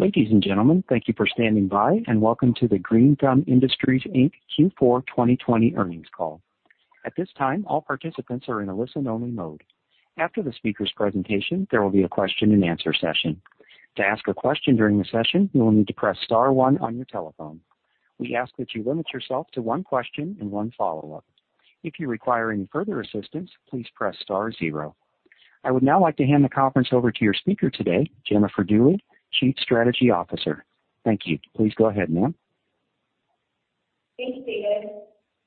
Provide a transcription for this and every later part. Ladies and gentlemen, thank you for standing by, and Welcome to the Green Thumb Industries, Inc. Q4 2020 earnings call. At this time all participants are in a listen-only mode. After the speakers' presentation there will be a question and answer session. To ask your question during the session you will need to press star one on your telephone. We ask that you limit yourself to one question and one follow-up. If you're requiring further assistance, please press star zero. I would now like to hand the conference over to your speaker today, Jennifer Dooley, Chief Strategy Officer. Thank you. Please go ahead, ma'am. Thanks, David.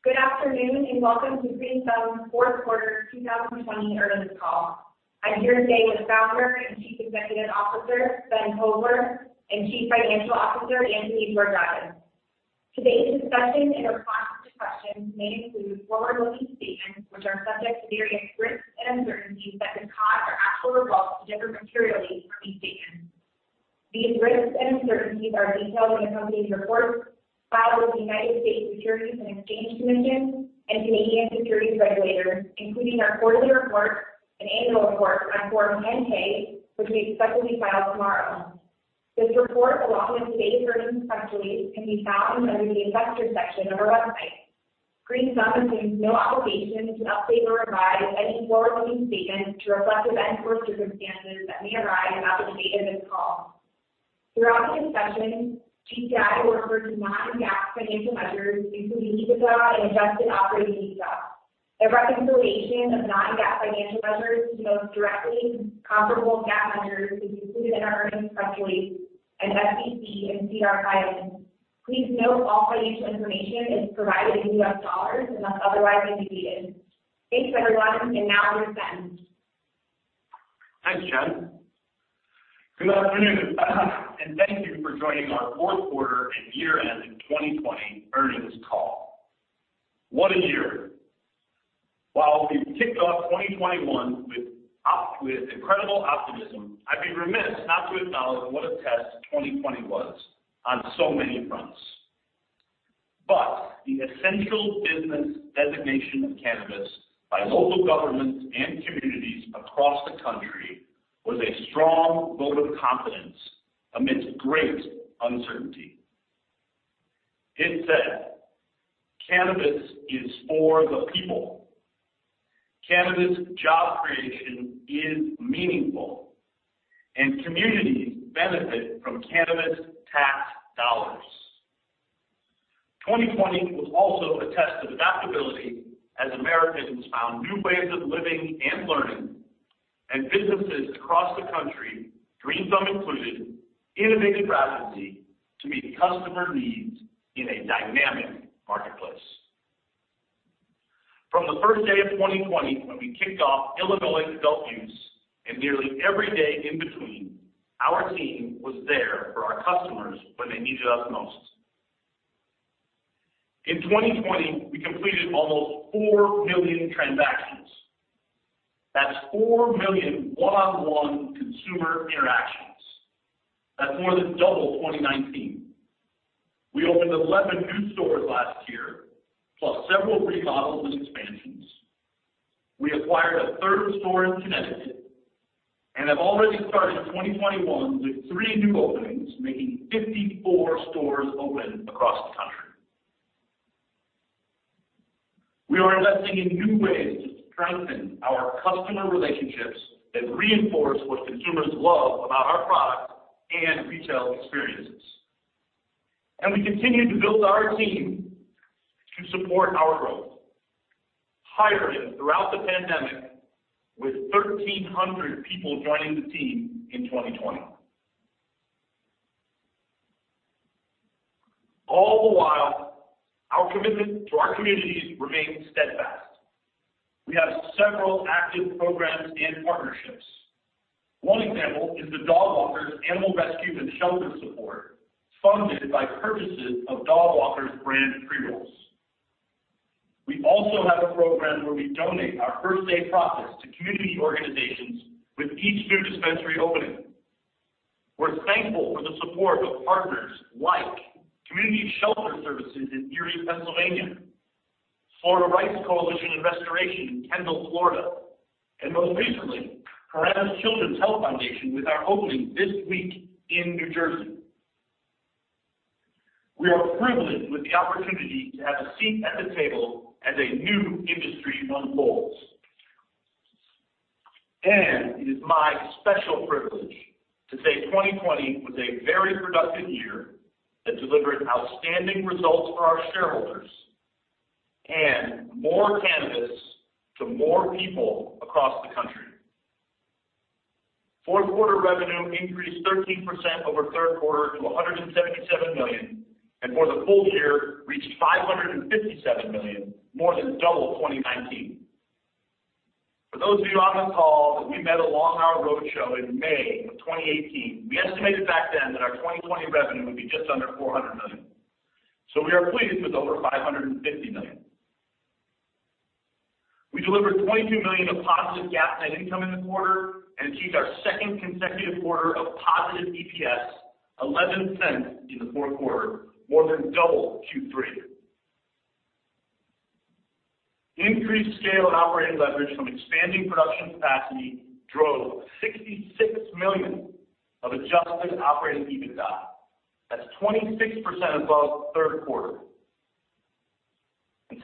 Good afternoon, and Welcome to Green Thumb's fourth quarter 2020 earnings call. I'm here today with Founder and Chief Executive Officer, Ben Kovler, and Chief Financial Officer, Anthony Georgiadis. Today's discussion in our quest to questions may include forward-looking statements, which are subject to various risks and uncertainties that can cause our actual results to differ materially from these statements. These risks and uncertainties are detailed in the company's reports filed with the United States Securities and Exchange Commission and Canadian securities regulators, including our quarterly report and annual report on Form 10-K, which we expect will be filed tomorrow. This report, along with today's earnings press release, can be found under the investors section of our website. Green Thumb assumes no obligation to update or revise any forward-looking statements to reflect events or circumstances that may arise after the date of this call. Throughout the discussion, GTI will refer to non-GAAP financial measures, including EBITDA and adjusted operating EBITDA. A reconciliation of non-GAAP financial measures to the most directly comparable GAAP measures can be included in our earnings press release and SEC and SEDAR filings. Please note all financial information is provided in US dollars, unless otherwise indicated. Thanks, everyone, now here is Ben. Thanks, Jen. Good afternoon, thank you for joining our fourth quarter and year-end 2020 earnings call. What a year. While we've kicked off 2021 with incredible optimism, I'd be remiss not to acknowledge what a test 2020 was on so many fronts. The essential business designation of cannabis by local governments and communities across the country was a strong vote of confidence amidst great uncertainty. It said, cannabis is for the people. Cannabis job creation is meaningful, and communities benefit from cannabis tax dollars. 2020 was also a test of adaptability as Americans found new ways of living and learning, and businesses across the country, Green Thumb included, innovated rapidly to meet customer needs in a dynamic marketplace. From the first day of 2020 when we kicked off Illinois adult use, and nearly every day in between, our team was there for our customers when they needed us most. In 2020, we completed almost 4 million transactions. That's 4 million one-on-one consumer interactions. That's more than double 2019. We opened 11 new stores last year, plus several remodels and expansions. We acquired a third store in Connecticut and have already started 2021 with three new openings, making 54 stores open across the country. We are investing in new ways to strengthen our customer relationships that reinforce what consumers love about our products and retail experiences. We continue to build our team to support our growth, hiring throughout the pandemic with 1,300 people joining the team in 2020. All the while, our commitment to our communities remains steadfast. We have several active programs and partnerships. One example is the Dogwalkers Animal Rescue and Shelter Support, funded by purchases of Dogwalkers brand pre-rolls. We also have a program where we donate our first-day profits to community organizations with each new dispensary opening. We're thankful for the support of partners like Community Shelter Services in Erie, Pennsylvania, Florida Rights Restoration Coalition in Kendall, Florida, and most recently, Paramus Children's Health Foundation with our opening this week in New Jersey. We are privileged with the opportunity to have a seat at the table as a new industry unfolds. It is my special privilege to say 2020 was a very productive year that delivered outstanding results for our shareholders and more cannabis to more people across the country. Fourth quarter revenue increased 13% over third quarter to $177 million, and for the full year, reached $557 million, more than double 2019. For those of you on the call that we met along our roadshow in May of 2018, we estimated back then that our 2020 revenue would be just under $400 million. We are pleased with over $550 million. We delivered $22 million of positive GAAP net income in the quarter and achieved our second consecutive quarter of positive EPS, $0.11 in the fourth quarter, more than double Q3. Increased scale and operating leverage from expanding production capacity drove $66 million of adjusted operating EBITDA. That's 26% above third quarter.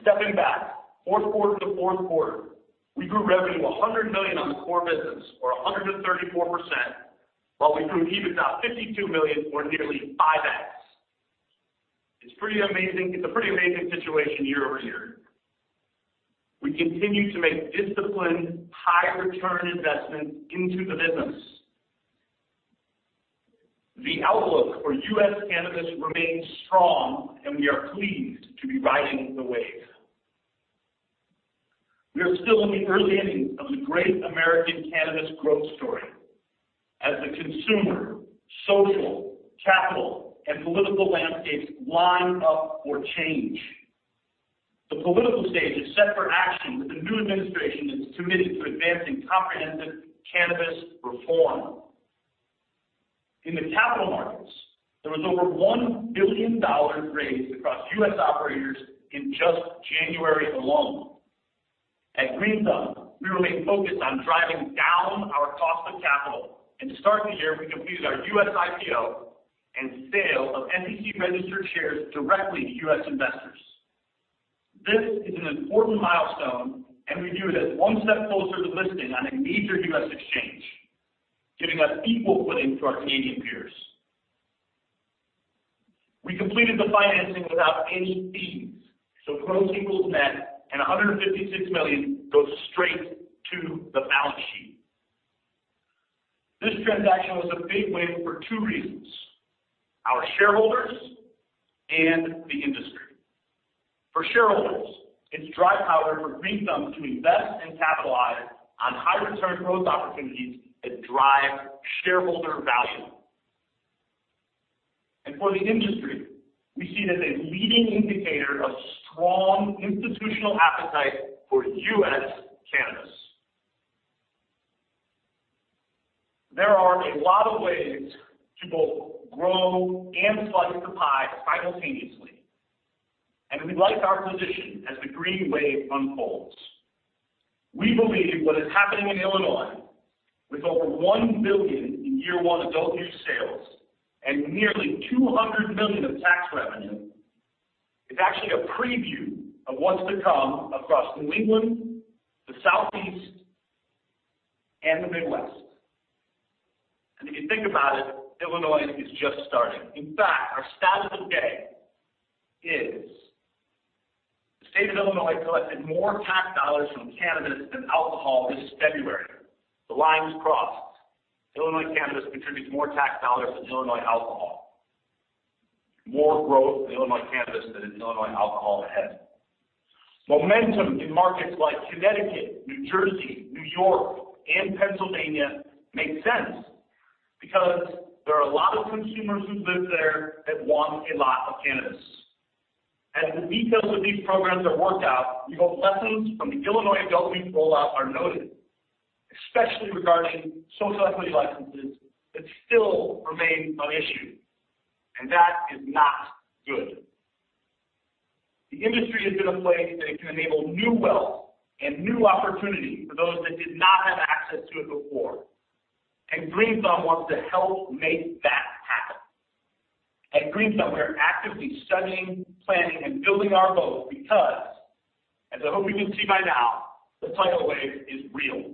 Stepping back, fourth quarter-to-fourth quarter, we grew revenue $100 million on the core business, or 134%, while we grew EBITDA $52 million, or nearly 5x. It's a pretty amazing situation year-over-year. We continue to make disciplined, high-return investments into the business. The outlook for U.S. cannabis remains strong. We are pleased to be riding the wave. We are still in the early innings of the great American cannabis growth story as the consumer, social, capital, and political landscapes line up for change. The political stage is set for action with a new administration that's committed to advancing comprehensive cannabis reform. In the capital markets, there was over $1 billion raised across U.S. operators in just January alone. At Green Thumb, we remain focused on driving down our cost of capital, and to start the year, we completed our U.S. IPO and sale of SEC-registered shares directly to U.S. investors. This is an important milestone, and we view it as one step closer to listing on a major U.S. exchange, giving us equal footing to our Canadian peers. We completed the financing without any fees, gross equals net, and $156 million goes straight to the balance sheet. This transaction was a big win for two reasons: our shareholders and the industry. For shareholders, it's dry powder for Green Thumb to invest and capitalize on high-return growth opportunities that drive shareholder value. For the industry, we see it as a leading indicator of strong institutional appetite for U.S. cannabis. There are a lot of ways to both grow and slice the pie simultaneously, we like our position as the green wave unfolds. We believe what is happening in Illinois, with over $1 billion in year one adult use sales and nearly $200 million of tax revenue, is actually a preview of what's to come across New England, the Southeast, and the Midwest. If you think about it, Illinois is just starting. In fact, our stat of the day is the state of Illinois collected more tax dollars from cannabis than alcohol this February. The lines crossed. Illinois cannabis contributes more tax dollars than Illinois alcohol. More growth in Illinois cannabis than in Illinois alcohol ahead. Momentum in markets like Connecticut, New Jersey, New York, and Pennsylvania make sense because there are a lot of consumers who live there that want a lot of cannabis. As the details of these programs are worked out, we hope lessons from the Illinois adult use rollout are noted, especially regarding social equity licenses that still remain of issue. That is not good. The industry is in a place that it can enable new wealth and new opportunity for those that did not have access to it before. Green Thumb wants to help make that happen. At Green Thumb, we are actively studying, planning, and building our boat because, as I hope you can see by now, the tidal wave is real.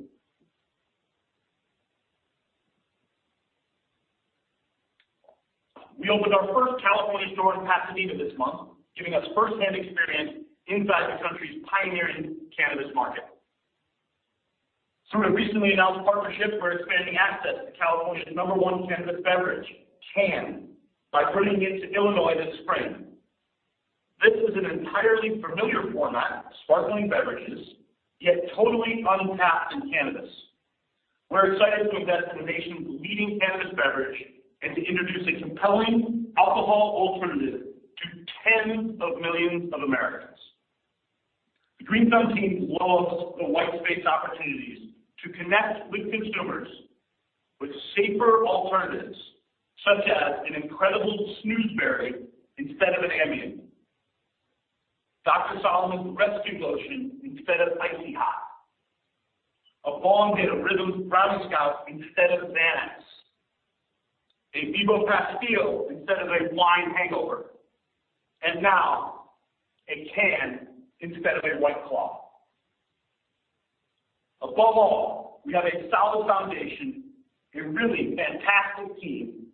We opened our first California store in Pasadena this month, giving us firsthand experience inside the country's pioneering cannabis market. Through a recently announced partnership, we're expanding access to California's number one cannabis beverage, Cann, by bringing it to Illinois this spring. This is an entirely familiar format, sparkling beverages, yet totally untapped in cannabis. We're excited to invest in the nation's leading cannabis beverage and to introduce a compelling alcohol alternative to tens of millions of Americans. The Green Thumb team loves the white space opportunities to connect with consumers with safer alternatives, such as an incredibles Snoozzzeberry instead of an Ambien, Dr. Solomon's Rescue Lotion instead of Icy Hot, a of RYTHM Brownie Scout instead of an, a Beboe pastille instead of a wine hangover, and now a Cann instead of a White Claw. Above all, we have a solid foundation, a really fantastic team,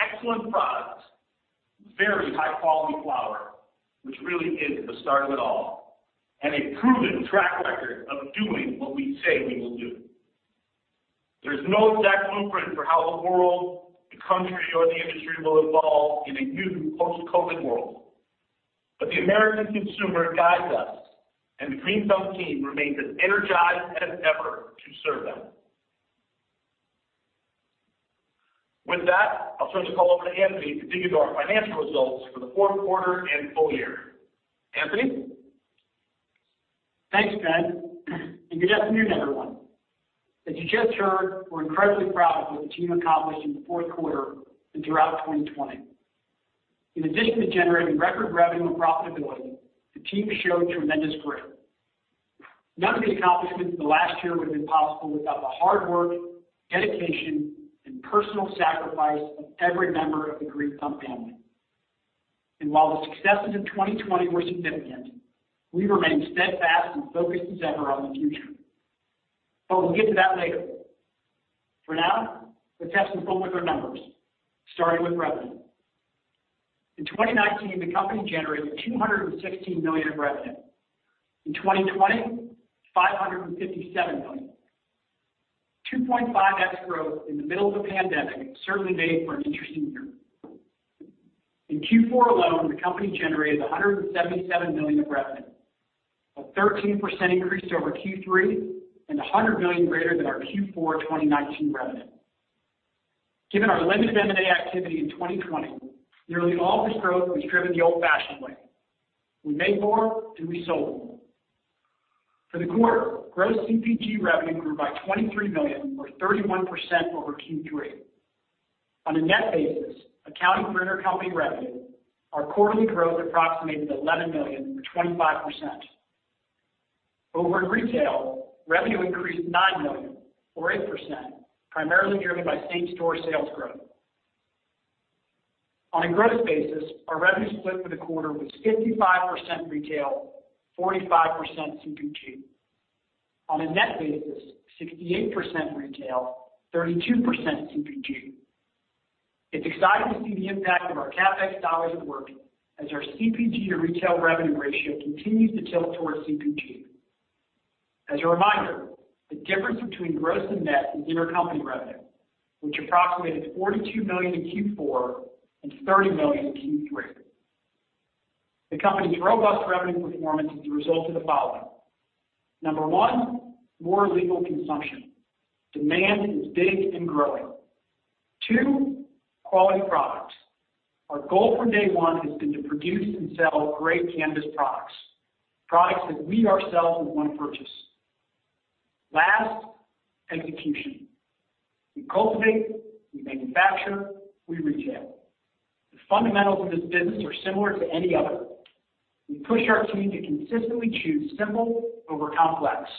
excellent products, very high-quality flower, which really is the start of it all, and a proven track record of doing what we say we will do. There is no exact blueprint for how the world, the country, or the industry will evolve in a new post-COVID world, but the American consumer guides us, and the Green Thumb team remains as energized as ever to serve them. With that, I'll turn the call over to Anthony to dig into our financial results for the fourth quarter and full year. Anthony? Thanks, Ben. Good afternoon, everyone. As you just heard, we're incredibly proud of what the team accomplished in the fourth quarter and throughout 2020. In addition to generating record revenue and profitability, the team has shown tremendous grit. None of the accomplishments of the last year would have been possible without the hard work, dedication, and personal sacrifice of every member of the Green Thumb family. While the successes of 2020 were significant, we remain steadfast and focused as ever on the future. We'll get to that later. For now, let's have some fun with our numbers, starting with revenue. In 2019, the company generated $216 million in revenue. In 2020, $557 million. 2.5x growth in the middle of a pandemic certainly made for an interesting year. In Q4 alone, the company generated $177 million of revenue, a 13% increase over Q3 and $100 million greater than our Q4 2019 revenue. Given our limited M&A activity in 2020, nearly all of this growth was driven the old-fashioned way. We made more, and we sold more. For the quarter, gross CPG revenue grew by $23 million or 31% over Q3. On a net basis, accounting for intercompany revenue, our quarterly growth approximated $11 million or 25%. Over in retail, revenue increased $9 million or 8%, primarily driven by same-store sales growth. On a gross basis, our revenue split for the quarter was 55% retail, 45% CPG. On a net basis, 68% retail, 32% CPG. It's exciting to see the impact of our CapEx dollars at work as our CPG to retail revenue ratio continues to tilt towards CPG. As a reminder, the difference between gross and net is intercompany revenue, which approximated $42 million in Q4 and $30 million in Q3. The company's robust revenue performance is a result of the following. Number one, more legal consumption. Demand is big and growing. Two, quality product. Our goal from day one has been to produce and sell great cannabis products. Products that we ourselves would want to purchase. Last, execution. We cultivate, we manufacture, we retail. The fundamentals of this business are similar to any other. We push our team to consistently choose simple over complex.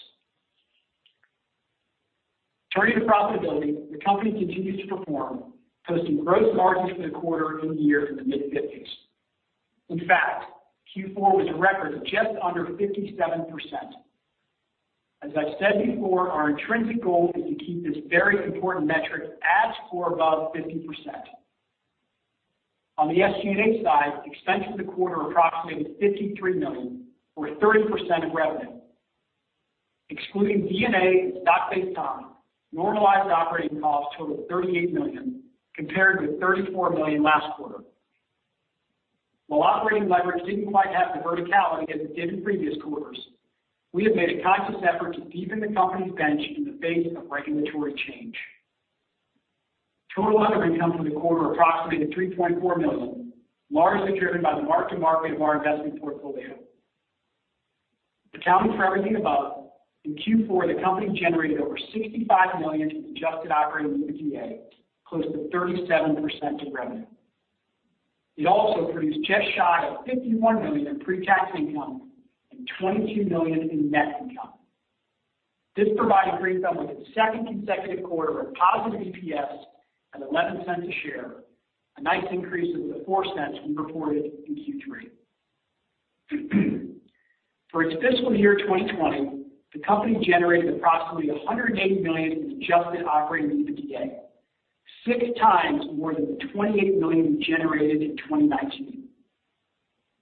Turning to profitability, the company continues to perform, posting gross margins for the quarter and the year in the mid-50s. In fact, Q4 was a record of just under 57%. As I've said before, our intrinsic goal is to keep this very important metric at or above 50%. On the SG&A side, expense for the quarter approximated $53 million, or 30% of revenue. Excluding D&A and stock-based comp, normalized operating costs totaled $38 million compared with $34 million last quarter. While operating leverage didn't quite have the verticality as it did in previous quarters, we have made a conscious effort to deepen the company's bench in the face of regulatory change. Total other income for the quarter approximated $3.4 million, largely driven by the mark-to-market of our investment portfolio. Accounting for everything above, in Q4, the company generated over $65 million in adjusted operating EBITDA, close to 37% of revenue. It also produced just shy of $51 million in pre-tax income and $22 million in net income. This provided Green Thumb with its second consecutive quarter of positive EPS at $0.11 a share, a nice increase of the $0.04 we reported in Q3. For its fiscal year 2020, the company generated approximately $180 million in adjusted operating EBITDA, 6x more than the $28 million we generated in 2019.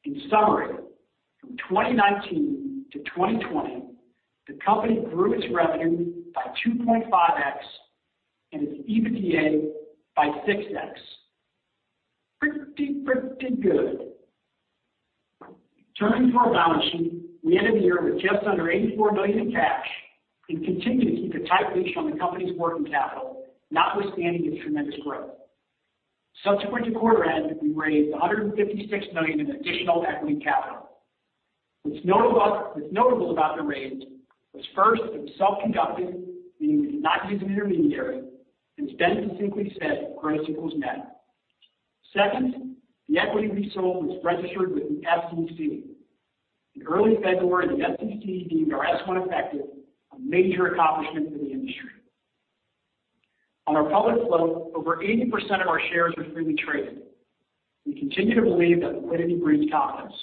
In summary, from 2019 to 2020, the company grew its revenue by 2.5x and its EBITDA by 6x. Pretty, pretty good. Turning to our balance sheet, we end the year with just under $84 million in cash and continue to keep a tight leash on the company's working capital, notwithstanding its tremendous growth. Subsequent to quarter end, we raised $156 million in additional equity capital. What's notable about the raise was first, it was self-conducted, meaning we did not use an intermediary, and it's been succinctly said, gross equals net. Second, the equity we sold was registered with the SEC. In early February, the SEC deemed our S-1 effective, a major accomplishment for the industry. On our public float, over 80% of our shares are freely traded. We continue to believe that liquidity breeds confidence.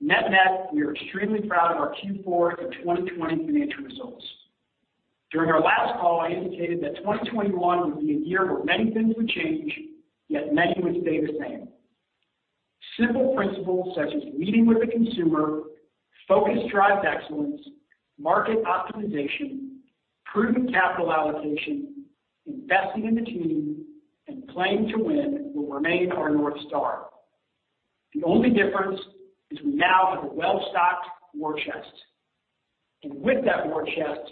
Net-net, we are extremely proud of our Q4 and 2020 financial results. During our last call, I indicated that 2021 would be a year where many things would change, yet many would stay the same. Simple principles such as leading with the consumer, focus-drive excellence, market optimization, prudent capital allocation, investing in the team, and playing to win will remain our North Star. The only difference is we now have a well-stocked war chest. With that war chest,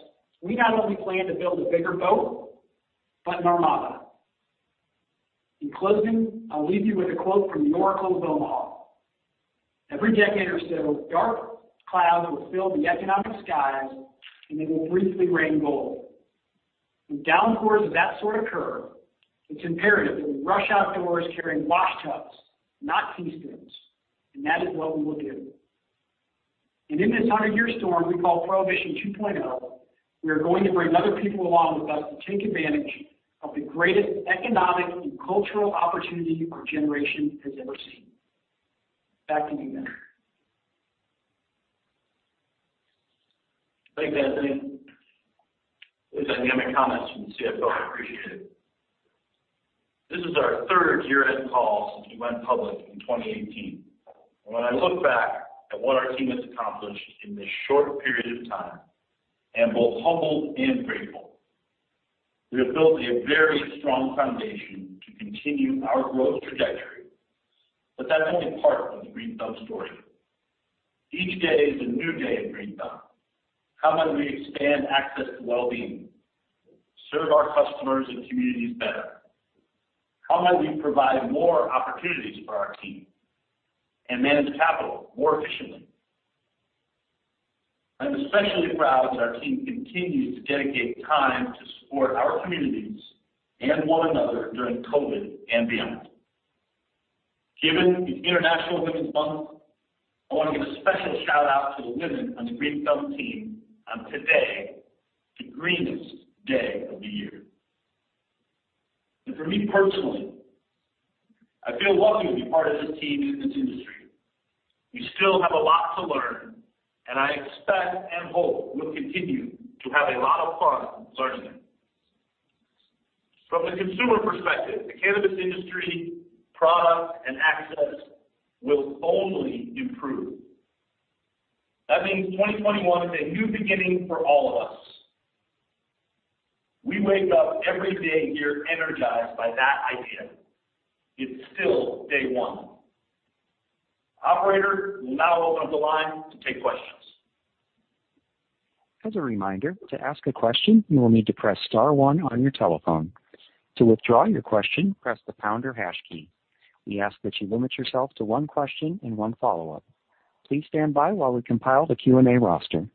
we not only plan to build a bigger boat, but an armada. In closing, I'll leave you with a quote from the Oracle of Omaha, 'Every decade or so, dark clouds will fill the economic skies, and it will briefly rain gold.' When downpours of that sort occur, it's imperative that we rush outdoors carrying washtubs, not teaspoons, and that is what we will do. In this 100-year storm we call Prohibition 2.0, we are going to bring other people along with us to take advantage of the greatest economic and cultural opportunity our generation has ever seen. Back to you, Ben. Thanks, Anthony. Those are dynamic comments from the CFO. I appreciate it. This is our third year-end call since we went public in 2018. When I look back at what our team has accomplished in this short period of time, I am both humbled and grateful. We have built a very strong foundation to continue our growth trajectory, but that's only part of the Green Thumb story. Each day is a new day at Green Thumb. How might we expand access to well-being, serve our customers and communities better? How might we provide more opportunities for our team and manage capital more efficiently? I'm especially proud that our team continues to dedicate time to support our communities and one another during COVID and beyond. Given it's International Women's Month, I want to give a special shout-out to the women on the Green Thumb team on today, the greenest day of the year. For me personally, I feel lucky to be part of this team in this industry. We still have a lot to learn, and I expect and hope we'll continue to have a lot of fun learning it. From the consumer perspective, the cannabis industry product and access will only improve. That means 2021 is a new beginning for all of us. We wake up every day here energized by that idea. It's still day one. Operator, we'll now open up the line to take questions. As a reminder, to ask a question, you will need to press star one on your telephone. To withdraw your question, press the pound or hash key. We ask that you limit yourself to one question and one follow-up. Please stand by while we compile the Q&A roster.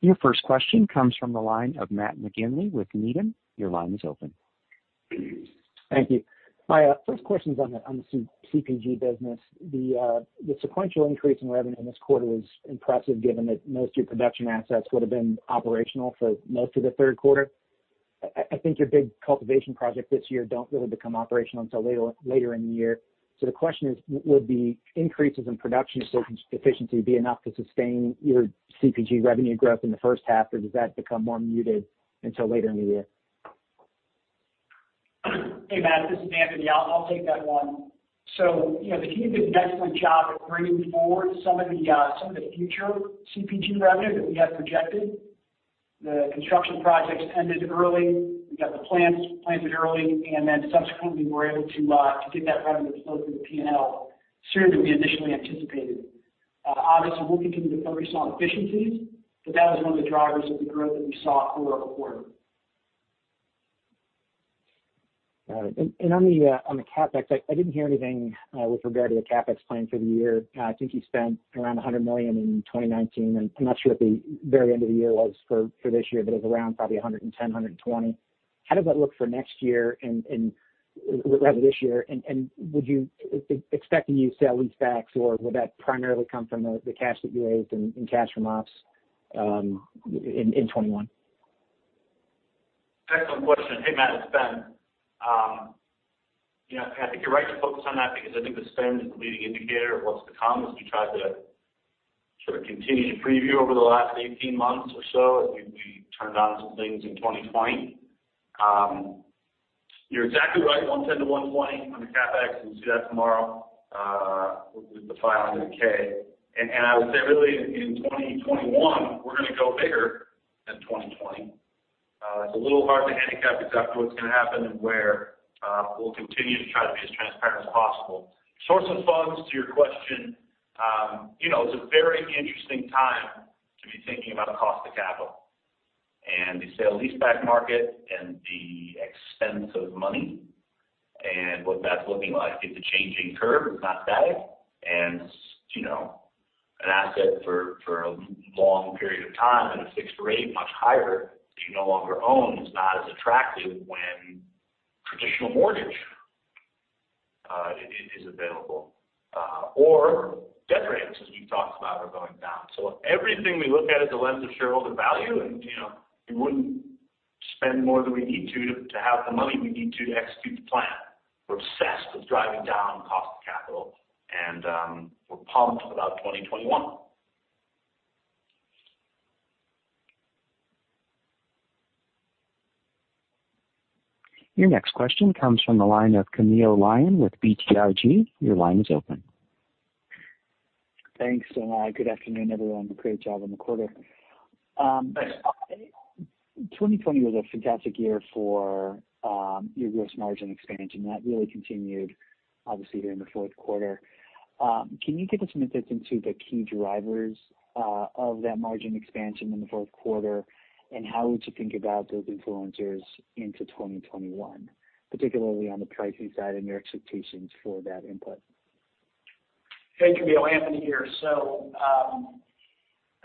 Your first question comes from the line of Matt McGinley with Needham. Your line is open. Thank you. My first question is on the CPG business. The sequential increase in revenue in this quarter was impressive, given that most of your production assets would have been operational for most of the third quarter. I think your big cultivation projects this year don't really become operational until later in the year. The question is, would the increases in production efficiency be enough to sustain your CPG revenue growth in the first half, or does that become more muted until later in the year? Hey, Matt, this is Anthony. I'll take that one. The team did an excellent job of bringing forward some of the future CPG revenue that we had projected. The construction projects ended early. We got the plants planted early, and then subsequently, we were able to get that revenue to flow through the P&L sooner than we initially anticipated. Obviously, we'll continue to focus on efficiencies, but that was one of the drivers of the growth that we saw for our quarter. Got it. On the CapEx, I didn't hear anything with regard to the CapEx plan for the year. I think you spent around $100 million in 2019, I'm not sure what the very end of the year was for this year, but it was around probably $110 million-$120 million. How does that look for next year and rather this year, and would you expect to use sale-leasebacks, or would that primarily come from the cash that you raised in cash from ops in 2021? Excellent question. Hey, Matt, it's Ben. I think you're right to focus on that because I think the spend is a leading indicator of what's to come, as we tried to sort of continue to preview over the last 18 months or so as we turned on some things in 2020. You're exactly right, $110 million-$120 million on the CapEx. You'll see that tomorrow with the filing of the K. I would say really in 2021, we're going to go bigger than 2020. It's a little hard to handicap exactly what's going to happen and where. We'll continue to try to be as transparent as possible. Source of funds to your question. It's a very interesting time to be thinking about cost of capital, and the sale and leaseback market and the expense of money and what that's looking like. It's a changing curve. It's not static. An asset for a long period of time at a fixed rate much higher that you no longer own is not as attractive when traditional mortgage is available. Debt rates, as we've talked about, are going down. Everything we look at is a lens of shareholder value, and we wouldn't spend more than we need to have the money we need to execute the plan. We're obsessed with driving down cost of capital, and we're pumped about 2021. Your next question comes from the line of Camilo Lyon with BTIG. Your line is open. Thanks. Good afternoon, everyone. Great job on the quarter. Thanks. 2020 was a fantastic year for your gross margin expansion. That really continued, obviously, here in the fourth quarter. Can you give us some insights into the key drivers of that margin expansion in the fourth quarter, and how would you think about those influencers into 2021, particularly on the pricing side and your expectations for that input? Hey Camilo, Anthony here.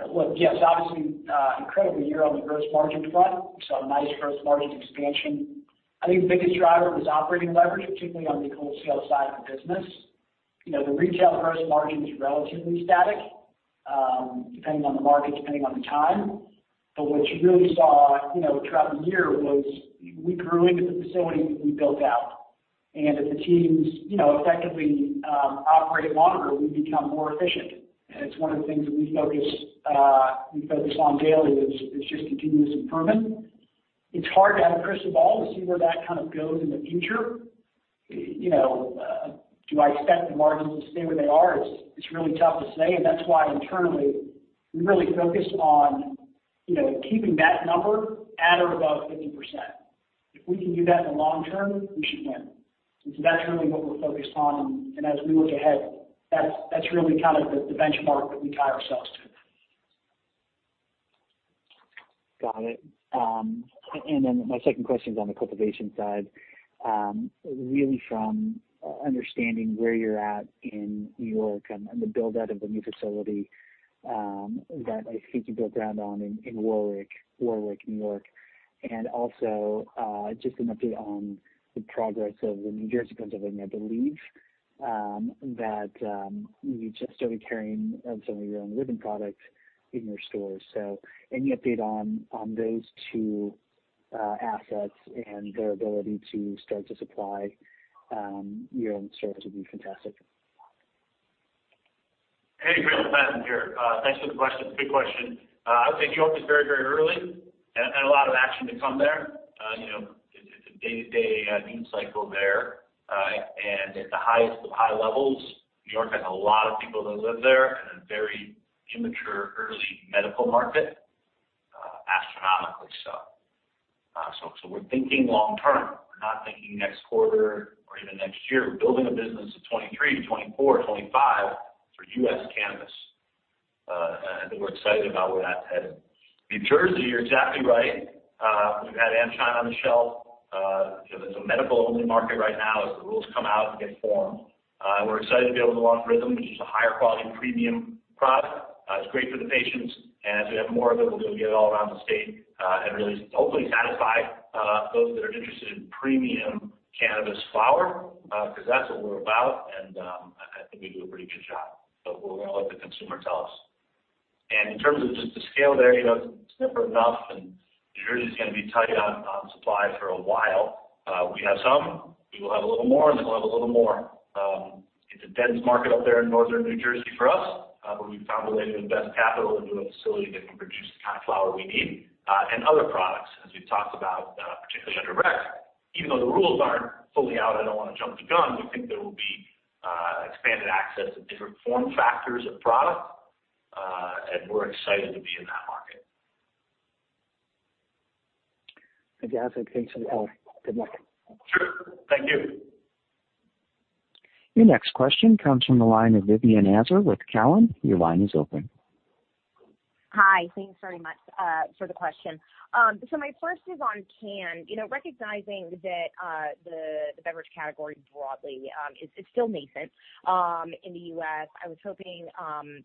Look, yes, obviously, incredible year on the gross margin front. We saw a nice gross margin expansion. I think the biggest driver was operating leverage, particularly on the wholesale side of the business. The retail gross margin is relatively static, depending on the market, depending on the time. What you really saw, throughout the year was we grew into the facilities that we built out. As the teams effectively operated longer, we become more efficient. It's one of the things that we focus on daily is just continuous improvement. It's hard to have a crystal ball to see where that kind of goes in the future. Do I expect the margins to stay where they are? It's really tough to say, and that's why internally we really focus on keeping that number at or above 50%. If we can do that in the long term, we should win. That's really what we're focused on. As we look ahead, that's really the benchmark that we tie ourselves to. Got it. My second question is on the cultivation side. Really from understanding where you're at in New York and the build-out of the new facility that I think you broke ground on in Warwick, New York. Just an update on the progress of the New Jersey cultivation. I believe that you just started carrying some of your own RYTHM products in your stores. Any update on those two assets and their ability to start to supply your own stores would be fantastic. Hey Camilo. Ben here. Thanks for the question. It's a good question. I would say New York is very early and a lot of action to come there. It's a day-to-day news cycle there. At the highest of high levels, New York has a lot of people that live there in a very immature, early medical market. Astronomically so. We're thinking long term. We're not thinking next quarter or even next year. We're building a business of 2023, 2024, 2025 for U.S. cannabis. I think we're excited about where that's headed. New Jersey, you're exactly right. We've had &Shine on the shelf. It's a medical-only market right now. As the rules come out and get formed, we're excited to be able to launch RYTHM, which is a higher quality premium product. It's great for the patients. As we have more of it, we'll be able to get it all around the state, and really hopefully satisfy those that are interested in premium cannabis flower, because that's what we're about. I think we do a pretty good job. We're going to let the consumer tell us. In terms of just the scale there, it's never enough, and New Jersey's going to be tight on supply for a while. We have some. We will have a little more, and then we'll have a little more. It's a dense market up there in northern New Jersey for us, but we've found a way to invest capital into a facility that can produce the kind of flower we need, and other products, as we've talked about, particularly under rec. Even though the rules aren't fully out, I don't want to jump the gun. We think there will be expanded access of different form factors of product. We're excited to be in that market. Thanks, guys. Thanks for the help. Good luck. Sure. Thank you. Your next question comes from the line of Vivien Azer with Cowen. Your line is open. Hi. Thanks very much for the question. My first is on Cann. Recognizing that the beverage category broadly is still nascent in the U.S., I was hoping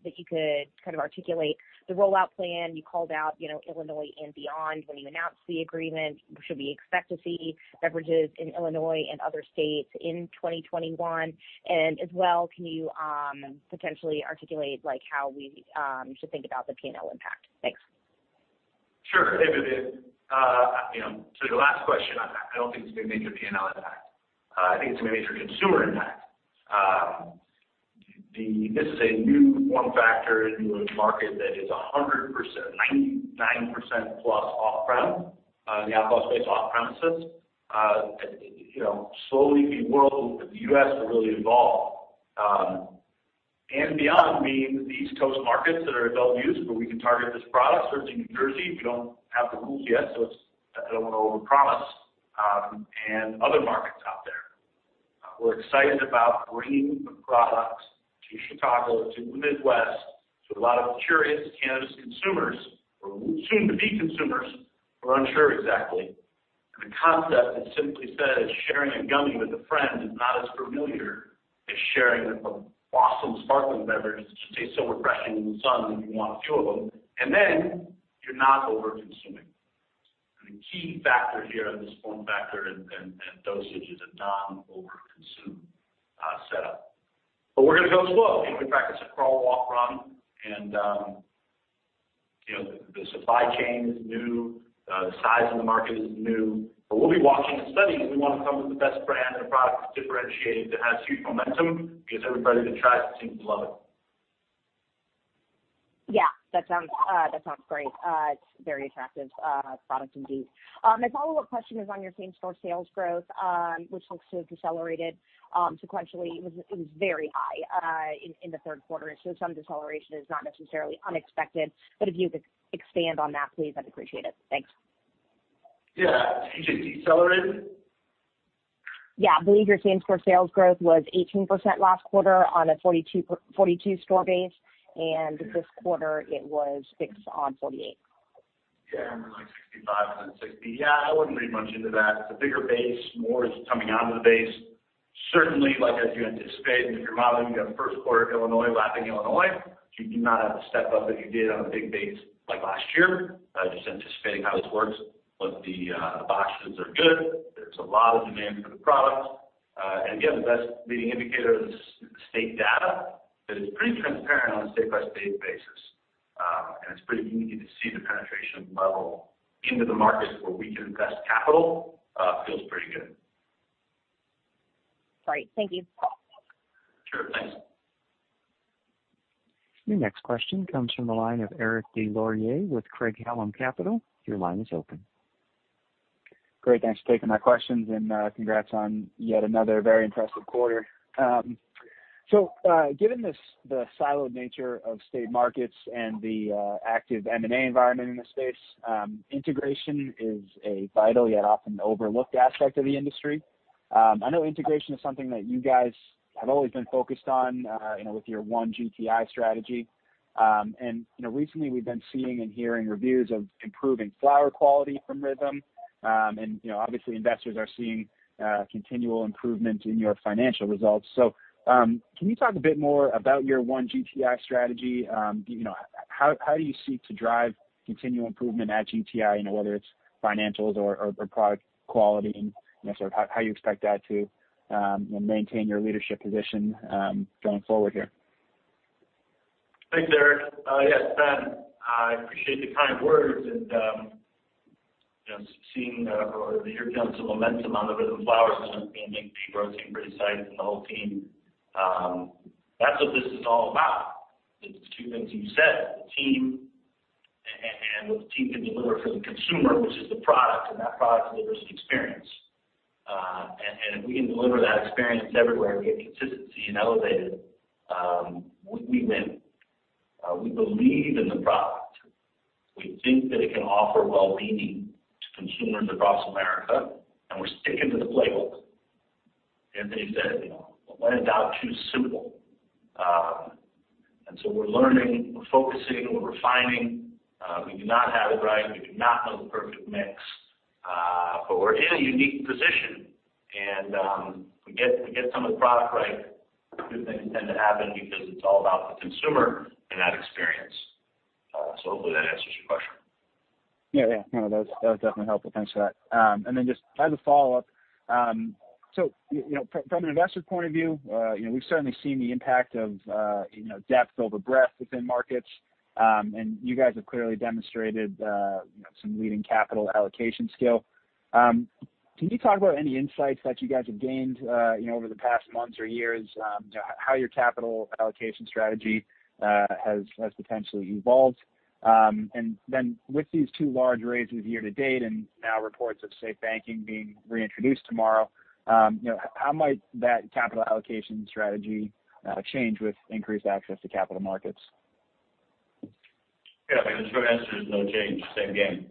that you could kind of articulate the rollout plan. You called out Illinois and beyond when you announced the agreement. Should we expect to see beverages in Illinois and other states in 2021? As well, can you potentially articulate how we should think about the P&L impact? Thanks. Sure. To the last question on that, I don't think it's going to make a P&L impact. I think it's going to make a consumer impact. This is a new form factor in a new market that is 99%+ off-prem. The alcohol space off premises. Slowly the U.S. will really evolve. Beyond means the East Coast markets that are adult use, where we can target this product. Certainly New Jersey, we don't have the rules yet, so I don't want to overpromise, and other markets out there. We're excited about bringing the product to Chicago, to the Midwest, to a lot of curious cannabis consumers, or soon to be consumers. We're unsure exactly. The concept that simply said is sharing a gummy with a friend is not as familiar as sharing a awesome sparkling beverage that just tastes so refreshing in the sun that you want a few of them, and then you're not overconsuming. The key factor here on this form factor and dosage is a non-overconsume setup. We're going to go slow. In fact, it's a crawl, walk, run, and the supply chain is new. The size of the market is new. We'll be watching and studying because we want to come with the best brand and a product that's differentiated, that has huge momentum, gives everybody that tries it seems to love it. Yeah. That sounds great. It's a very attractive product indeed. My follow-up question is on your same-store sales growth, which looks to have decelerated sequentially. It was very high in the third quarter, so some deceleration is not necessarily unexpected. If you could expand on that, please, I'd appreciate it. Thanks. Yeah. Did you say decelerated? Yeah. I believe your same-store sales growth was 18% last quarter on a 42 store base, and this quarter it was six on 48. Yeah, like 65%, 60%. Yeah, I wouldn't read much into that. It's a bigger base, more is coming onto the base. Certainly, as you anticipate and if you're modeling, you have first quarter Illinois lapping Illinois. You do not have the step up that you did on a big base like last year. Just anticipating how this works, the boxes are good. There's a lot of demand for the product. Again, the best leading indicator is the state data, that it's pretty transparent on a state by state basis. It's pretty unique to see the penetration level into the markets where we can invest capital, feels pretty good. Great. Thank you. Sure. Thanks. Your next question comes from the line of Eric Des Lauriers with Craig-Hallum Capital. Your line is open. Great. Thanks for taking my questions, and congrats on yet another very impressive quarter. Given the siloed nature of state markets and the active M&A environment in this space, integration is a vital, yet often overlooked aspect of the industry. I know integration is something that you guys have always been focused on with your One GTI strategy. Recently we've been seeing and hearing reviews of improving flower quality from RYTHM. Obviously investors are seeing continual improvement in your financial results. Can you talk a bit more about your One GTI strategy? How do you seek to drive continual improvement at GTI? Whether it's financials or product quality, and how you expect that to maintain your leadership position going forward here. Thanks, Eric. Yes, Ben, I appreciate the kind words and seeing the year build some momentum on the RYTHM Flower system, being able to make the growth team pretty excited and the whole team. That's what this is all about. It's the two things you said, the team and what the team can deliver for the consumer, which is the product, and that product delivers the experience. If we can deliver that experience everywhere, we get consistency and elevate it, we win. We believe in the product. We think that it can offer well-being to consumers across America, and we're sticking to the playbook. Anthony said, "When in doubt, choose simple." We're learning, we're focusing, we're refining. We do not have it right. We do not know the perfect mix. We're in a unique position and if we get some of the product right, good things tend to happen because it's all about the consumer and that experience. Hopefully that answers your question. Yeah. That was definitely helpful. Thanks for that. Then just as a follow-up, from an investor point of view, we've certainly seen the impact of depth over breadth within markets. You guys have clearly demonstrated some leading capital allocation skill. Can you talk about any insights that you guys have gained over the past months or years? How your capital allocation strategy has potentially evolved? Then with these two large raises year to date, and now reports of SAFE banking being reintroduced tomorrow, how might that capital allocation strategy change with increased access to capital markets? Yeah, I mean, the short answer is no change, same game.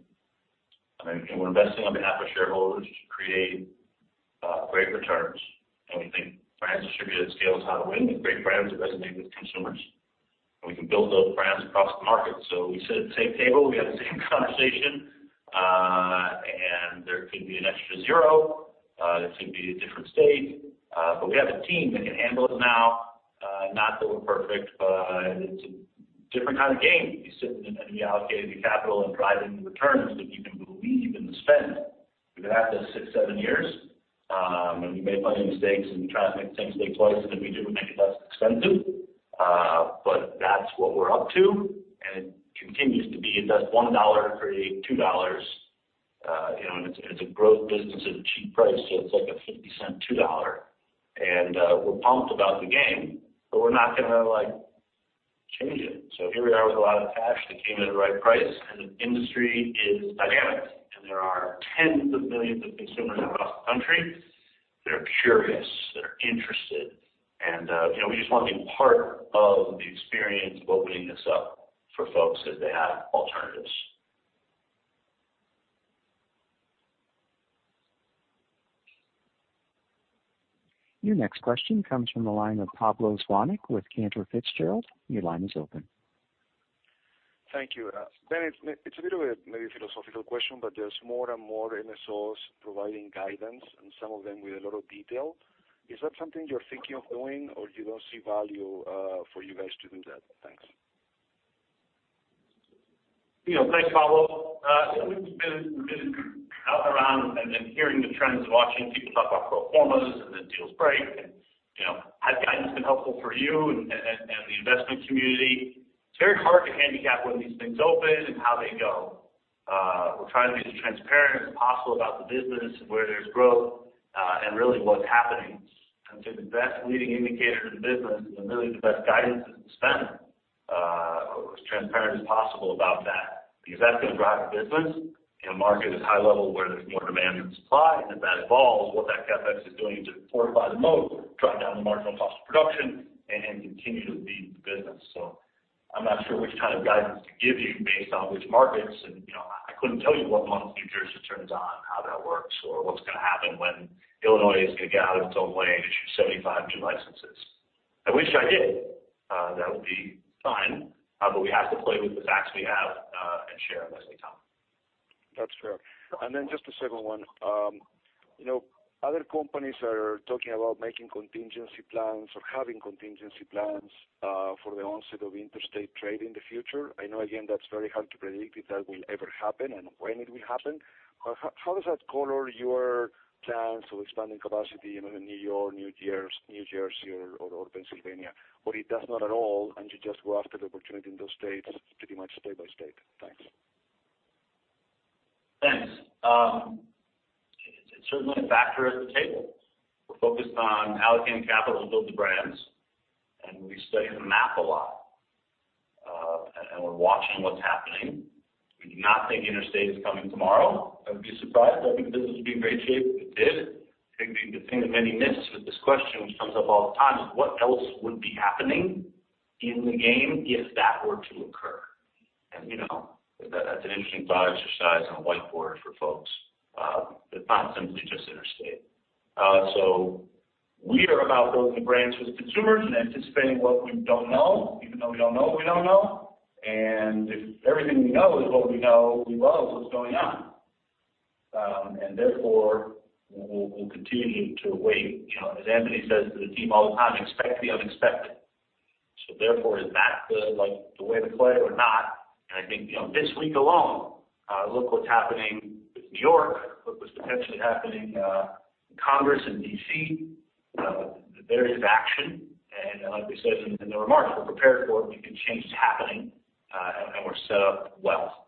I mean, we're investing on behalf of shareholders to create great returns, and we think brands distributed at scale is how to win with great brands that resonate with consumers. We can build those brands across the market. We sit at the same table, we have the same conversation. There could be an extra zero, it could be a different state. We have a team that can handle it now. Not that we're perfect, but it's a different kind of game when you sit and reallocate your capital and drive into returns that you can believe and spend. We've been at this six, seven years. We've made plenty of mistakes, and we try not to make the same mistake twice, and if we do, we make it less expensive. That's what we're up to, and it continues to be invest $1, create $2. It's a growth business at a cheap price, so it's like a $0.50 $2. We're pumped about the game, but we're not going to change it. Here we are with a lot of cash that came at the right price, and the industry is dynamic, and there are tens of millions of consumers across the country that are curious, that are interested. We just want to be part of the experience of opening this up for folks as they have alternatives. Your next question comes from the line of Pablo Zuanic with Cantor Fitzgerald. Your line is open. Thank you. Ben, it's a bit of a maybe philosophical question, there's more and more MSOs providing guidance and some of them with a lot of detail. Is that something you're thinking of doing, or you don't see value for you guys to do that? Thanks. Thanks, Pablo. We've been out and around and hearing the trends and watching people talk about pro formas and then deals break, has guidance been helpful for you and the investment community? It's very hard to handicap when these things open and how they go. We're trying to be as transparent as possible about the business and where there's growth, and really what's happening. I'd say the best leading indicator of the business and really the best guidance is to spend as transparent as possible about that, because that's going to drive the business in a market that's high level, where there's more demand than supply. If that evolves, what that CapEx is doing to fortify the moat, drive down the marginal cost of production, and continue to lead the business. I'm not sure which kind of guidance to give you based on which markets, and I couldn't tell you what month New Jersey turns on, how that works, or what's going to happen when Illinois is going to get out of its own way and issue 75 new licenses. I wish I did. That would be fun, but we have to play with the facts we have, and share them as we talk. That's fair. Then just a second one. Other companies are talking about making contingency plans or having contingency plans, for the onset of interstate trade in the future. I know, again, that's very hard to predict if that will ever happen and when it will happen. How does that color your plans for expanding capacity in New York, New Jersey, or Pennsylvania? It does not at all, and you just go after the opportunity in those states pretty much state by state? Thanks. Thanks. It's certainly a factor at the table. We're focused on allocating capital to build the brands, and we study the map a lot. We're watching what's happening. We do not think interstate is coming tomorrow. I would be surprised. I think the business would be in great shape if it did. I think the thing that many miss with this question, which comes up all the time, is what else would be happening in the game if that were to occur. That's an interesting thought exercise on a whiteboard for folks. Not simply just interstate. We are about building the brands with consumers and anticipating what we don't know, even though we don't know what we don't know. If everything we know is what we know we love, what's going on? Therefore, we'll continue to wait. As Anthony says to the team all the time, expect the unexpected. Is that the way to play it or not? This week alone, look what's happening with New York, look what's potentially happening in Congress in D.C. There is action. We said in the remarks, we're prepared for it. We can change what's happening, and we're set up well.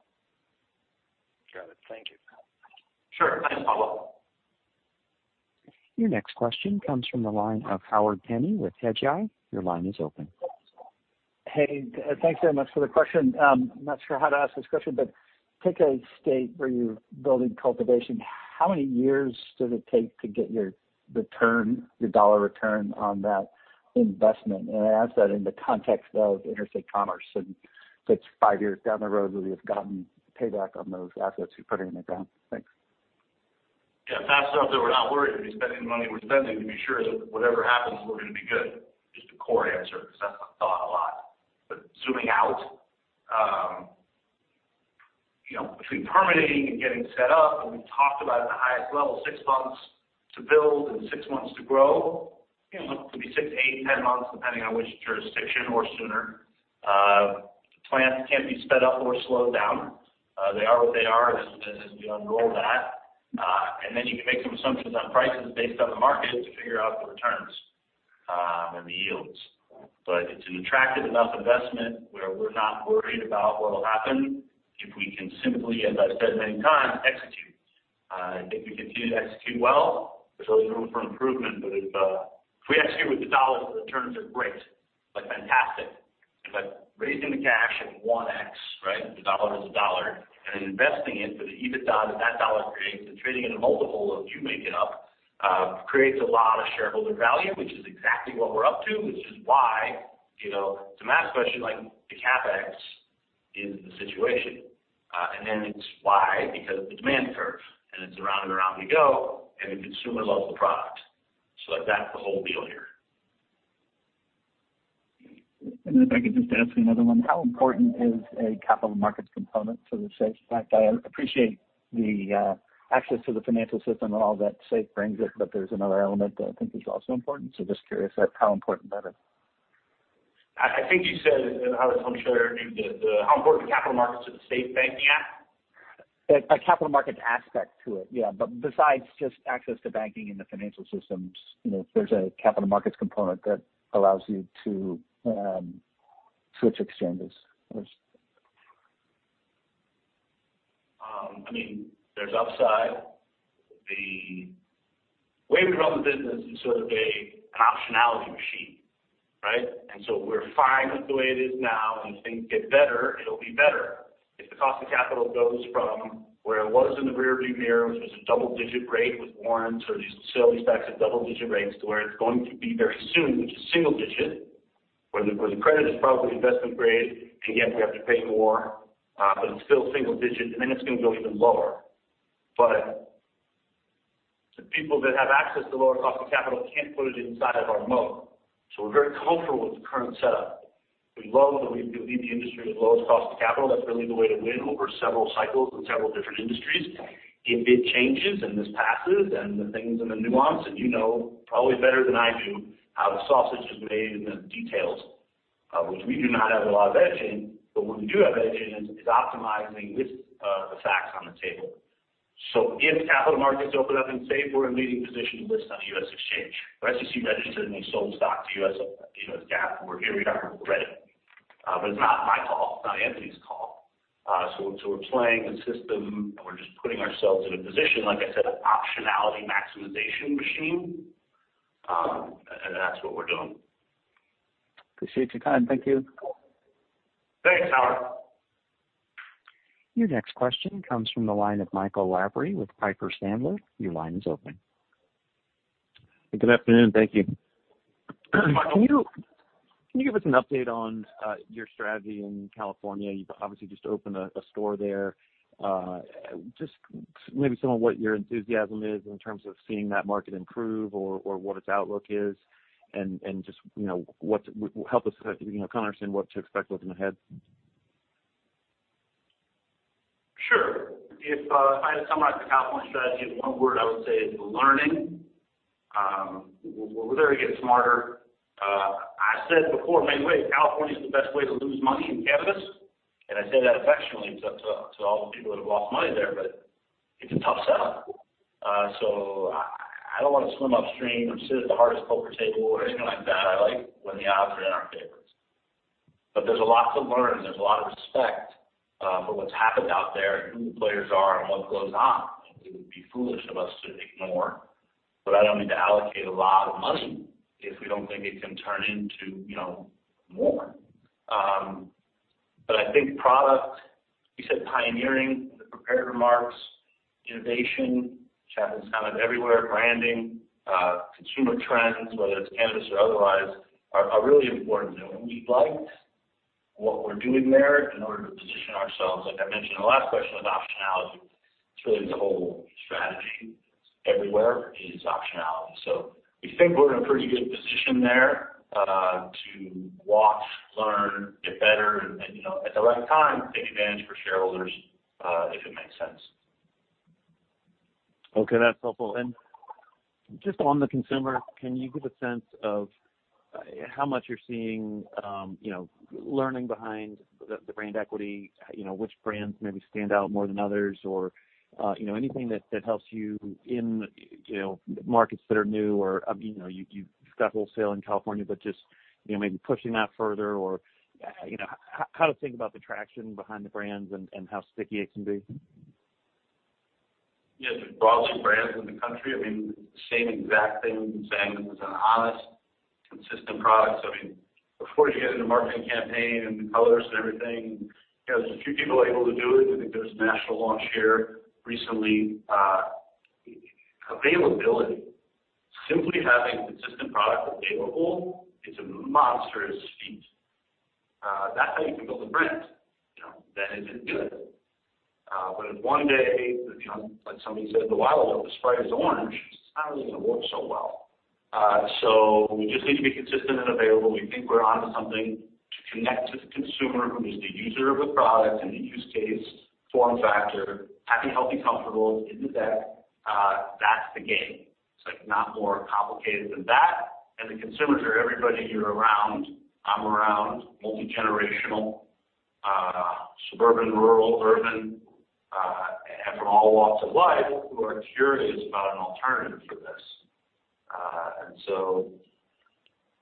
Got it. Thank you. Sure. Thanks, Pablo. Your next question comes from the line of Howard Penney with Hedgeye. Your line is open. Hey, thanks very much for the question. I'm not sure how to ask this question, but take a state where you're building cultivation. How many years does it take to get your dollar return on that investment? I ask that in the context of interstate commerce, and if it's five years down the road where we have gotten payback on those assets you're putting in the ground. Thanks. Yeah, fast enough that we're not worried. We're spending the money we're spending to make sure that whatever happens, we're going to be good. Just a core answer, because that's what I thought a lot. Zooming out, between permitting and getting set up, and we talked about at the highest level, six months to build and six months to grow. Could be six, eight, 10 months, depending on which jurisdiction, or sooner. Plants can't be sped up or slowed down. They are what they are as we unroll that. Then you can make some assumptions on prices based on the market to figure out the returns, and the yields. It's an attractive enough investment where we're not worried about what'll happen if we can simply, as I've said many times, execute. I think we continue to execute well. There's always room for improvement, but if we execute with the dollars, the returns are great. Like fantastic. If I'm raising the cash at 1x, right? The dollar is a dollar. Then investing it for the EBITDA that that dollar creates and trading at a multiple of you make it up, creates a lot of shareholder value, which is exactly what we're up to, which is why, to Matt's question, the CapEx is the situation. Then it's why, because of the demand curve, and it's around and around we go, and the consumer loves the product. That's the whole deal here. If I could just ask another one, how important is a capital markets component to the SAFE Act? I appreciate the access to the financial system and all that SAFE brings it, but there's another element that I think is also important. Just curious how important that is. I think you said, and Howard, someone shared it maybe, how important the capital markets to the SAFE Banking Act? A capital markets aspect to it, yeah. Besides just access to banking in the financial systems, there's a capital markets component that allows you to switch exchanges. There's upside. The way we run the business is sort of an optionality machine, right? We're fine with the way it is now, and if things get better, it'll be better. If the cost of capital goes from where it was in the rearview mirror, which was a double-digit rate with warrants or these facilities backed at double-digit rates to where it's going to be very soon, which is single digit, where the credit is probably investment grade. Again, we have to pay more, but it's still single digit, and then it's going to go even lower. The people that have access to lower cost of capital can't put it inside of our moat. We're very comfortable with the current setup. We love that we lead the industry with the lowest cost of capital. That's really the way to win over several cycles in several different industries. If it changes and this passes and the things and the nuance, you know probably better than I do how the sausage was made and the details, which we do not have a lot of edge in, when we do have edge in is optimizing with the facts on the table. If capital markets open up and SAFE, we're in a leading position to list on a U.S. exchange. We're SEC registered and we've sold stock to US GAAP, we're here, we got credit. It's not my call. It's not Anthony's call. We're playing the system and we're just putting ourselves in a position, like I said, an optionality maximization machine, that's what we're doing. Appreciate your time. Thank you. Thanks, Howard. Your next question comes from the line of Michael Lavery with Piper Sandler. Your line is open. Good afternoon. Thank you. Michael Can you give us an update on your strategy in California? You've obviously just opened a store there. Just maybe some of what your enthusiasm is in terms of seeing that market improve or what its outlook is, and just help us kind of understand what to expect looking ahead. Sure. If I had to summarize the California strategy in one word, I would say it's learning. We're there to get smarter. I said before, in many ways, California is the best way to lose money in cannabis. I say that affectionately to all the people that have lost money there, but it's a tough sell. I don't want to swim upstream or sit at the hardest poker table or anything like that. I like when the odds are in our favor. There's a lot to learn, there's a lot of respect for what's happened out there and who the players are and what goes on. It would be foolish of us to ignore. I don't need to allocate a lot of money if we don't think it can turn into more. I think product, you said pioneering in the prepared remarks, innovation, which happens kind of everywhere, branding, consumer trends, whether it's cannabis or otherwise, are really important to doing. We liked what we're doing there in order to position ourselves, like I mentioned in the last question, with optionality. It's really the whole strategy everywhere is optionality. We think we're in a pretty good position there to watch, learn, get better, and at the right time, take advantage for shareholders if it makes sense. Okay, that's helpful. Just on the consumer, can you give a sense of how much you're seeing learning behind the brand equity, which brands maybe stand out more than others, or anything that helps you in markets that are new, or you've got wholesale in California, but just maybe pushing that further, or how to think about the traction behind the brands and how sticky it can be? Yeah. There's broadly brands in the country. The same exact thing we've been saying, that it's an honest, consistent product. Before you get into marketing campaign and the colors and everything, there's a few people able to do it. I think there was a national launch here recently. Availability. Simply having a consistent product available, it's a monstrous feat. That's how you can build a brand. Then it can do it. If one day, like somebody said a while ago, the Sprite is orange, it's not really going to work so well. We just need to be consistent and available. We think we're onto something to connect to the consumer who is the user of the product and the use case, form factor, happy, healthy, comfortable in the bed. That's the game. It's not more complicated than that. The consumers are everybody you're around, I'm around, multi-generational, suburban, rural, urban, and from all walks of life who are curious about an alternative for this.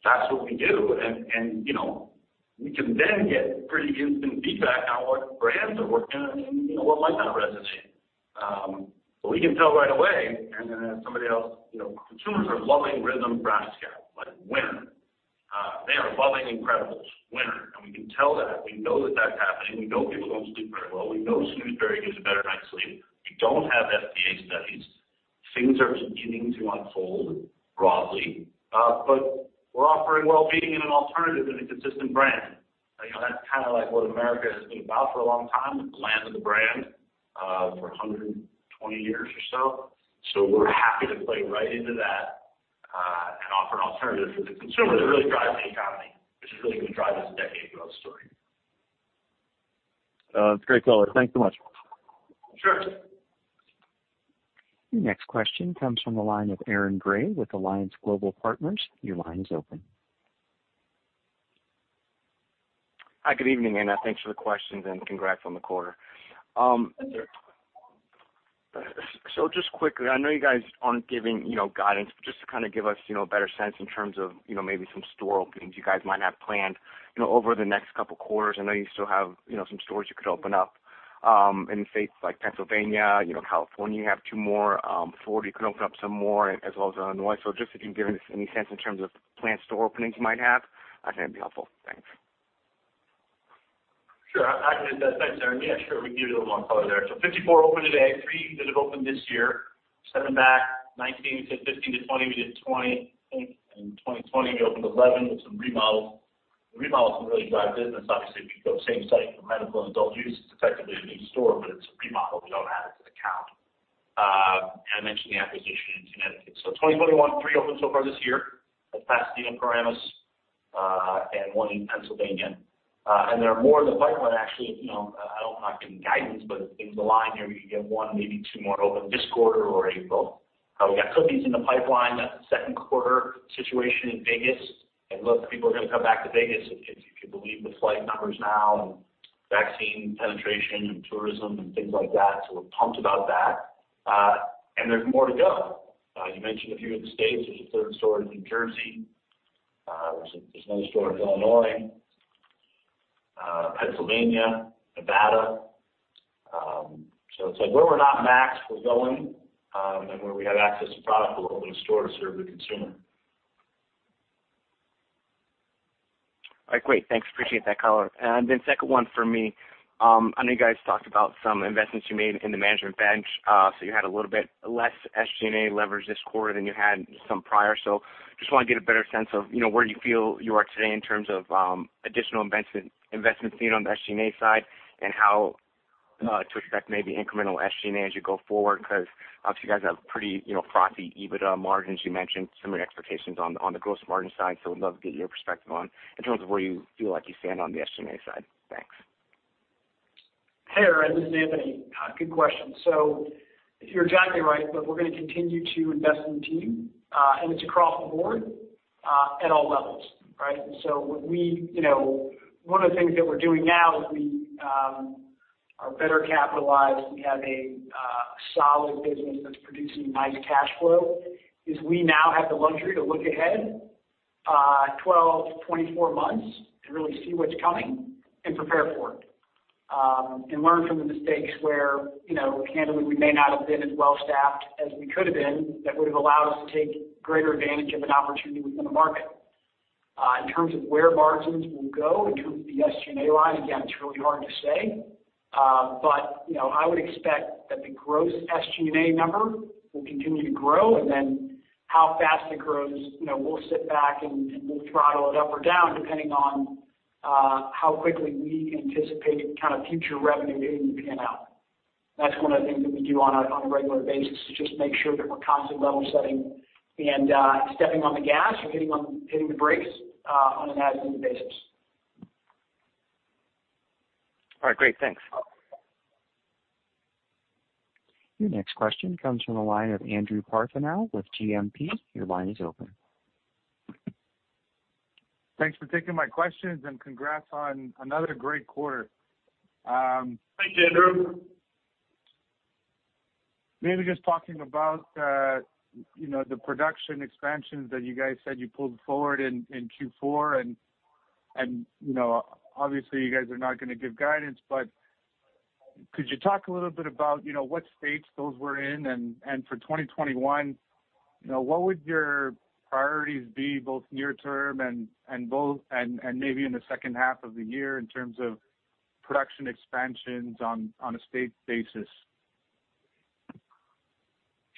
That's what we do. We can then get pretty instant feedback on what brands are working and what might not resonate. We can tell right away, consumers are loving RYTHM Brownie Scout. Like winner. They are loving Incredibles. Winner. We can tell that. We know that that's happening. We know people don't sleep very well. We know Snoozzzeberry gives a better night's sleep. We don't have FDA studies. Things are beginning to unfold broadly. We're offering well-being and an alternative and a consistent brand. That's kind of like what America has been about for a long time, the land of the brand, for 120 years or so. We're happy to play right into that and offer an alternative for the consumer that really drives the economy, which is really going to drive this decade growth story. That's great color. Thanks so much. Sure. Next question comes from the line of Aaron Grey with Alliance Global Partners. Your line's open. Hi, good evening, and thanks for the questions, and congrats on the quarter. Thank you. Just quickly, I know you guys aren't giving guidance, but just to kind of give us a better sense in terms of maybe some store openings you guys might have planned over the next couple quarters. I know you still have some stores you could open up in states like Pennsylvania, California, you have two more. Florida, you could open up some more, as well as Illinois. Just if you can give us any sense in terms of planned store openings you might have, I think that'd be helpful. Thanks. Sure. Thanks, Aaron. Sure. We can give you a little more color there. 54 open today, three that have opened this year. Stepping back, 2019, we said 15-20, we did 20. In 2020, we opened 11 with some remodels. The remodels can really drive business. Obviously, if you go same site for medical and adult use, it's effectively a new store, but it's a remodel. We don't add it to the count. I mentioned the acquisition in Connecticut. 2021, three opens so far this year, like Pasadena, Paramus, and one in Pennsylvania. There are more in the pipeline, actually. I'm not giving guidance, but in the line here, we could get one, maybe two more open this quarter or April. We got Cookies in the pipeline. That's a second quarter situation in Vegas. Look, people are going to come back to Vegas if you believe the flight numbers now and vaccine penetration and tourism and things like that. We're pumped about that. There's more to go. You mentioned a few of the states. There's a third store in New Jersey. There's another store in Illinois, Pennsylvania, Nevada. It's like where we're not maxed, we're going, and where we have access to product, we're opening a store to serve the consumer. All right, great. Thanks. Appreciate that color. Second one for me. I know you guys talked about some investments you made in the management bench. You had a little bit less SG&A leverage this quarter than you had some prior. Just want to get a better sense of where you feel you are today in terms of additional investments being on the SG&A side and how to expect maybe incremental SG&A as you go forward, because obviously you guys have pretty frothy EBITDA margins. You mentioned some of your expectations on the gross margin side, so would love to get your perspective on in terms of where you feel like you stand on the SG&A side. Thanks. Hey, Aaron, this is Anthony. Good question. You're exactly right, but we're going to continue to invest in the team, and it's across the board at all levels, right? One of the things that we're doing now is we are better capitalized. We have a solid business that's producing nice cash flow, is we now have the luxury to look ahead 12 to 24 months and really see what's coming and prepare for it. Learn from the mistakes where, candidly, we may not have been as well-staffed as we could have been, that would've allowed us to take greater advantage of an opportunity within the market. In terms of where margins will go in terms of the SG&A line, again, it's really hard to say. I would expect that the gross SG&A number will continue to grow, and then how fast it grows, we'll sit back and we'll throttle it up or down depending on how quickly we anticipate kind of future revenue being to pan out. That's one of the things that we do on a regular basis, is just make sure that we're constantly level setting and stepping on the gas or hitting the brakes on an as-needed basis. All right, great. Thanks. Your next question comes from the line of Andrew Partheniou with GMP. Your line is open. Thanks for taking my questions and congrats on another great quarter. Thanks, Andrew. Maybe just talking about the production expansions that you guys said you pulled forward in Q4. Obviously you guys are not going to give guidance, but could you talk a little bit about what states those were in? For 2021, what would your priorities be both near term and maybe in the second half of the year in terms of production expansions on a state basis?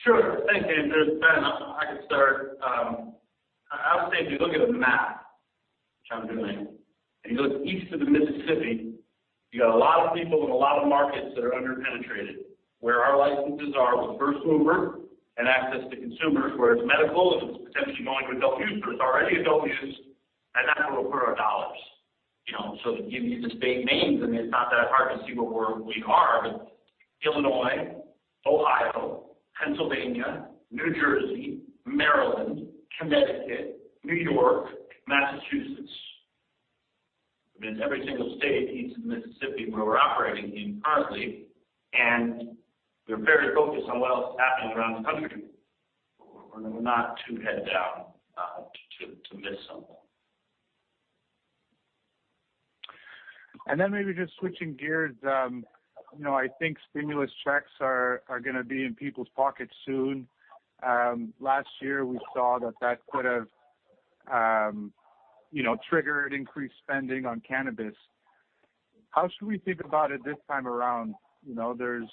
Sure. Thanks, Andrew. Ben, I could start. I would say, if you look at a map, which I'm doing, and you look east of the Mississippi, you got a lot of people and a lot of markets that are under-penetrated. Where our licenses are with first mover and access to consumers, where it's medical, and it's potentially going to adult use, where it's already adult use, and that's where we'll put our dollars. Give you the state names, I mean, it's not that hard to see where we are, but Illinois, Ohio, Pennsylvania, New Jersey, Maryland, Connecticut, New York, Massachusetts. I mean, it's every single state east of the Mississippi where we're operating in currently, and we're very focused on what else is happening around the country. We're not too head down, to miss something. Maybe just switching gears, I think stimulus checks are going to be in people's pockets soon. Last year we saw that that could have triggered increased spending on cannabis. How should we think about it this time around? There's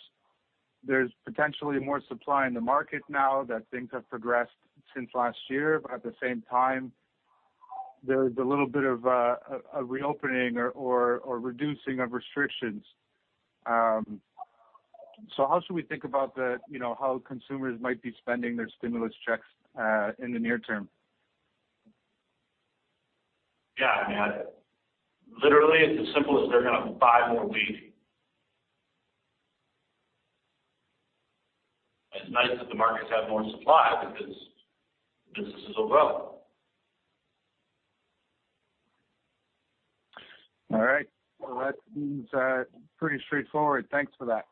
potentially more supply in the market now that things have progressed since last year. At the same time, there's a little bit of a reopening or reducing of restrictions. How should we think about how consumers might be spending their stimulus checks in the near term? Yeah. I mean, literally it's as simple as they're going to buy more weed. It's nice that the markets have more supply because business is so well. All right. Well, that seems pretty straightforward. Thanks for that.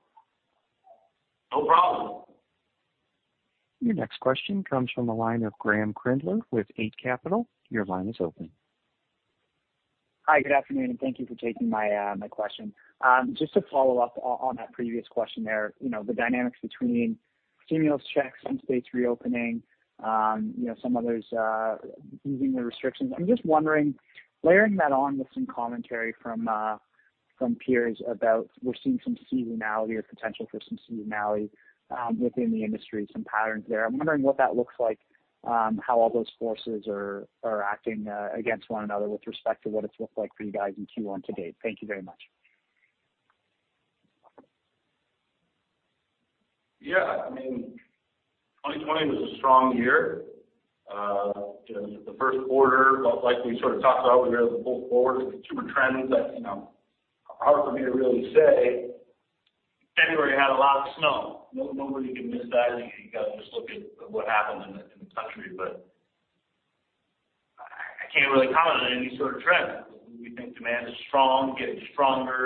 No problem. Your next question comes from the line of Graeme Kreindler with Eight Capital. Your line is open. Hi, good afternoon and thank you for taking my question. Just to follow up on that previous question there, the dynamics between stimulus checks and states reopening, some others easing the restrictions. I'm just wondering, layering that on with some commentary from peers about we're seeing some seasonality or potential for some seasonality within the industry, some patterns there. I'm wondering what that looks like, how all those forces are acting against one another with respect to what it's looked like for you guys in Q1 to date. Thank you very much. Yeah. I mean, 2020 was a strong year. The first quarter, like we sort of talked about, we were able to pull forward the consumer trends that, hard for me to really say. February had a lot of snow. Nobody can miss that. You got to just look at what happened in the country. I can't really comment on any sort of trend. We think demand is strong, getting stronger.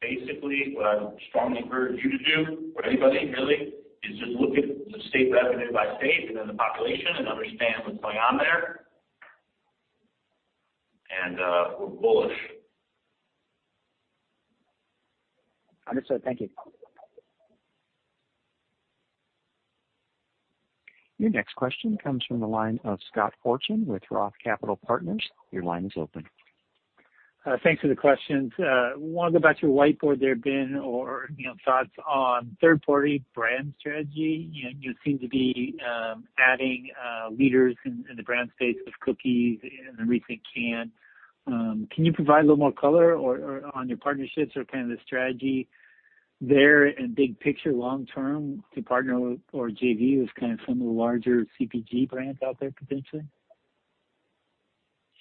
Basically, what I would strongly encourage you to do, or anybody really, is just look at the state revenue by state and then the population and understand what's going on there. We're bullish. Understood. Thank you. Your next question comes from the line of Scott Fortune with ROTH Capital Partners. Your line is open. Thanks for the questions. Wanted to go back to your whiteboard there, Ben, or thoughts on third-party brand strategy. You seem to be adding leaders in the brand space with Cookies and the recent Cann. Can you provide a little more color on your partnerships or kind of the strategy there and big-picture long-term to partner with or JV with kind of some of the larger CPG brands out there potentially?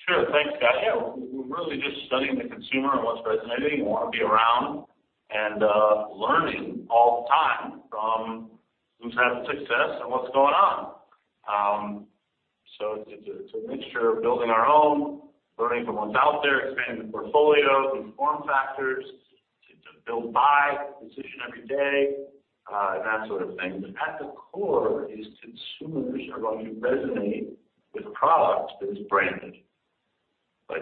Sure. Thanks, Scott. Yeah, we're really just studying the consumer and what's resonating and want to be around and learning all the time from who's having success and what's going on. It's a mixture of building our own, learning from what's out there, expanding the portfolio, different form factors, to build buy position every day, and that sort of thing. At the core is consumers are going to resonate with a product that is branded.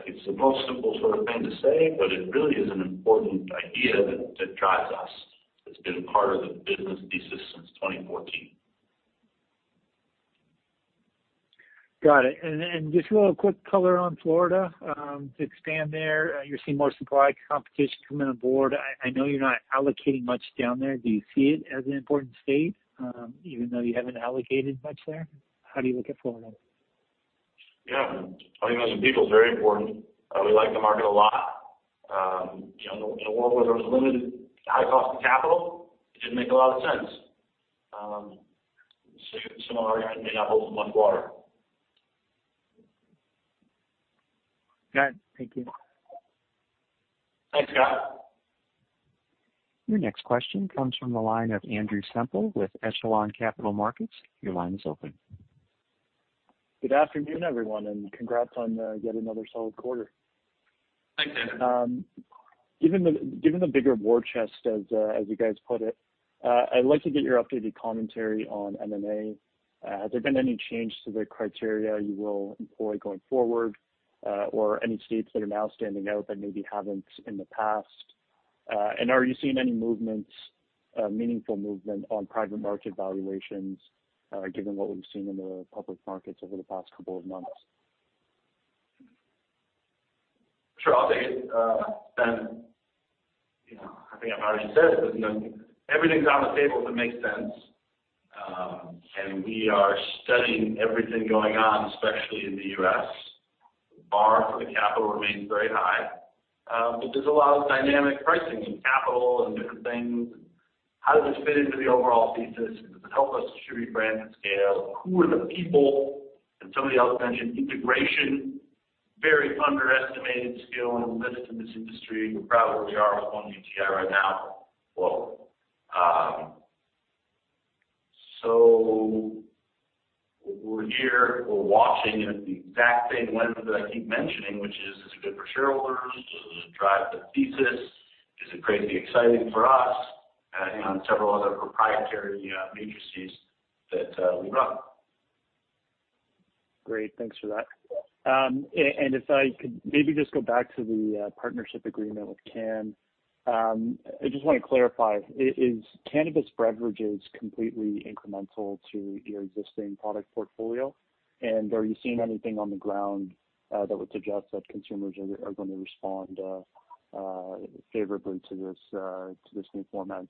It's the most simple thing to say, but it really is an important idea that drives us, that's been part of the business thesis since 2014. Got it. Just a little quick color on Florida, to expand there, you're seeing more supply competition coming on board. I know you're not allocating much down there. Do you see it as an important state, even though you haven't allocated much there? How do you look at Florida? Yeah. 20 million people is very important. We like the market a lot. In a world where there was limited high cost of capital, it didn't make a lot of sense. Similar argument you may have heard with MUD\WTR. Got it. Thank you. Thanks, Scott. Your next question comes from the line of Andrew Semple with Echelon Capital Markets. Your line is open. Good afternoon, everyone, and congrats on yet another solid quarter. Thanks, Andrew. Given the bigger war chest as you guys put it, I'd like to get your updated commentary on M&A. Has there been any change to the criteria you will employ going forward, or any states that are now standing out that maybe haven't in the past? Are you seeing any meaningful movement on private market valuations, given what we've seen in the public markets over the past couple of months? Sure. I'll take it, Ben. I think I might've just said it, but everything's on the table if it makes sense. We are studying everything going on, especially in the U.S. The bar for the capital remains very high. But there's a lot of dynamic pricing in capital and different things. How does this fit into the overall thesis? Does it help us distribute brand and scale? Who are the people? Somebody else mentioned integration, very underestimated skill and list in this industry. We're proud that we are with One GTI right now. So we're here, we're watching, and it's the exact same lens that I keep mentioning, which is it good for shareholders? Does it drive the thesis? Is it crazy exciting for us on several other proprietary matrices that we run. Great. Thanks for that. If I could maybe just go back to the partnership agreement with Cann. I just want to clarify, is cannabis beverages completely incremental to your existing product portfolio? Are you seeing anything on the ground that would suggest that consumers are going to respond favorably to this new format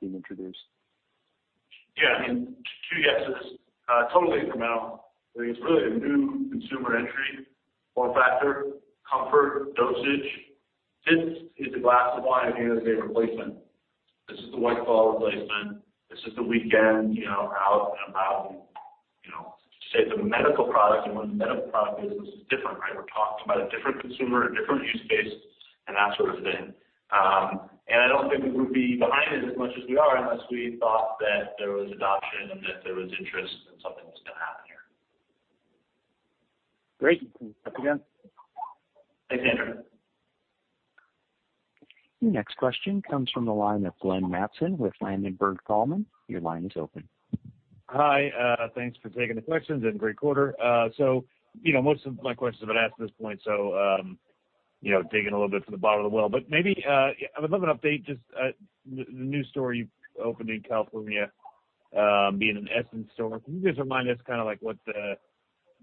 being introduced? Yeah. Two yeses. Totally incremental. I think it's really a new consumer entry, form factor, comfort, dosage. This is the glass of wine of cannabis replacement. This is the White Claw replacement. This is the weekend out and about. When the medical product business is different, we're talking about a different consumer, a different use case, and that sort of thing. I don't think we would be behind it as much as we are unless we thought that there was adoption and that there was interest and something was going to happen here. Great. Thanks again. Thanks, Andrew. The next question comes from the line of Glenn Mattson with Ladenburg Thalmann. Your line is open. Hi. Thanks for taking the questions, great quarter. Most of my questions have been asked at this point, so digging a little bit to the bottom of the well. Maybe, I would love an update, just the new store you've opened in California, being an Essence store. Can you just remind us what the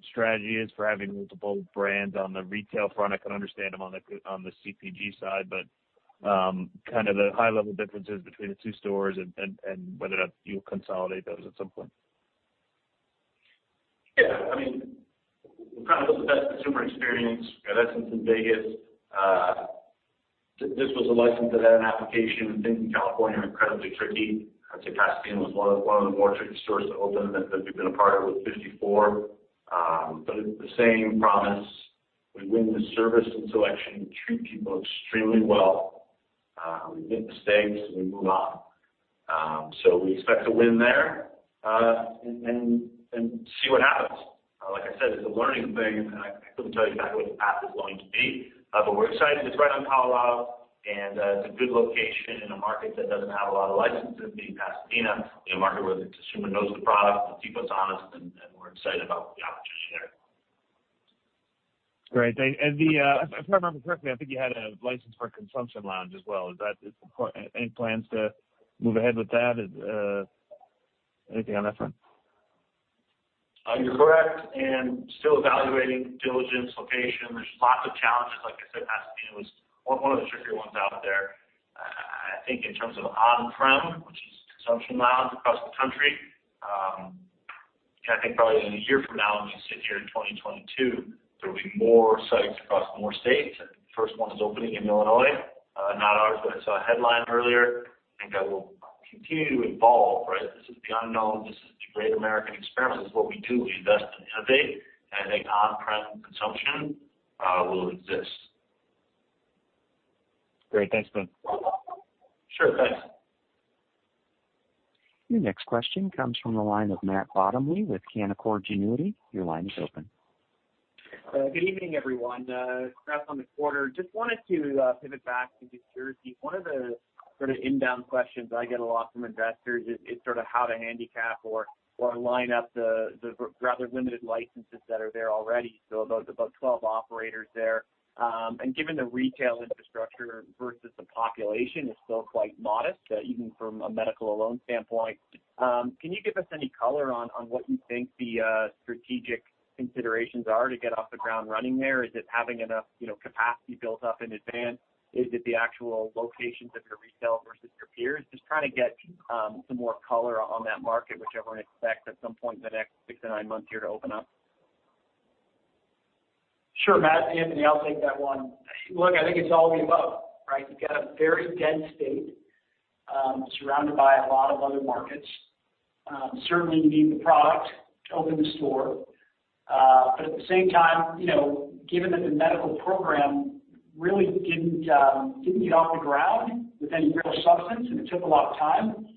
strategy is for having multiple brands on the retail front? I can understand them on the CPG side, but kind of the high-level differences between the two stores and whether or not you'll consolidate those at some point. Yeah. We're proud of the best consumer experience. We've got Essence in Vegas. This was a license that had an application. Things in California are incredibly tricky. I'd say Pasadena was one of the more tricky stores to open that we've been a part of with 54. It's the same promise. We win the service and selection. We treat people extremely well. We make mistakes. We move on. We expect to win there. See what happens. Like I said, it's a learning thing. I couldn't tell you exactly what the path is going to be. We're excited. It's right on. It's a good location in a market that doesn't have a lot of licenses, being Pasadena. A market where the consumer knows the product, the people it's honest. We're excited about the opportunity there. Great. If I remember correctly, I think you had a license for a consumption lounge as well. Any plans to move ahead with that? Anything on that front? You're correct, and still evaluating diligence, location. There's lots of challenges. Like I said, Pasadena was one of the trickier ones out there. I think in terms of on-prem, which is consumption lounge across the country. I think probably in a year from now, when we sit here in 2022, there will be more sites across more states. I think the first one's opening in Illinois, not ours, but I saw a headline earlier. I think that will continue to evolve, right? This is the unknown. This is the great American experiment. This is what we do. We invest and innovate, and I think on-prem consumption will exist. Great. Thanks, Ben. Sure thing. Your next question comes from the line of Matt Bottomley with Canaccord Genuity. Your line is open. Good evening, everyone. Congrats on the quarter. Just wanted to pivot back to New Jersey. One of the sort of inbound questions I get a lot from investors is sort of how to handicap or line up the rather limited licenses that are there already. About 12 operators there. Given the retail infrastructure versus the population is still quite modest, even from a medical alone standpoint. Can you give us any color on what you think the strategic considerations are to get off the ground running there? Is it having enough capacity built up in advance? Is it the actual locations of your retail versus your peers? Just trying to get some more color on that market, which everyone expects at some point in the next six to nine months here to open up. Sure, Matt. It's Anthony, I'll take that one. Look, I think it's all of the above, right? You've got a very dense state, surrounded by a lot of other markets. Certainly you need the product to open the store. At the same time, given that the medical program really didn't get off the ground with any real substance, and it took a lot of time.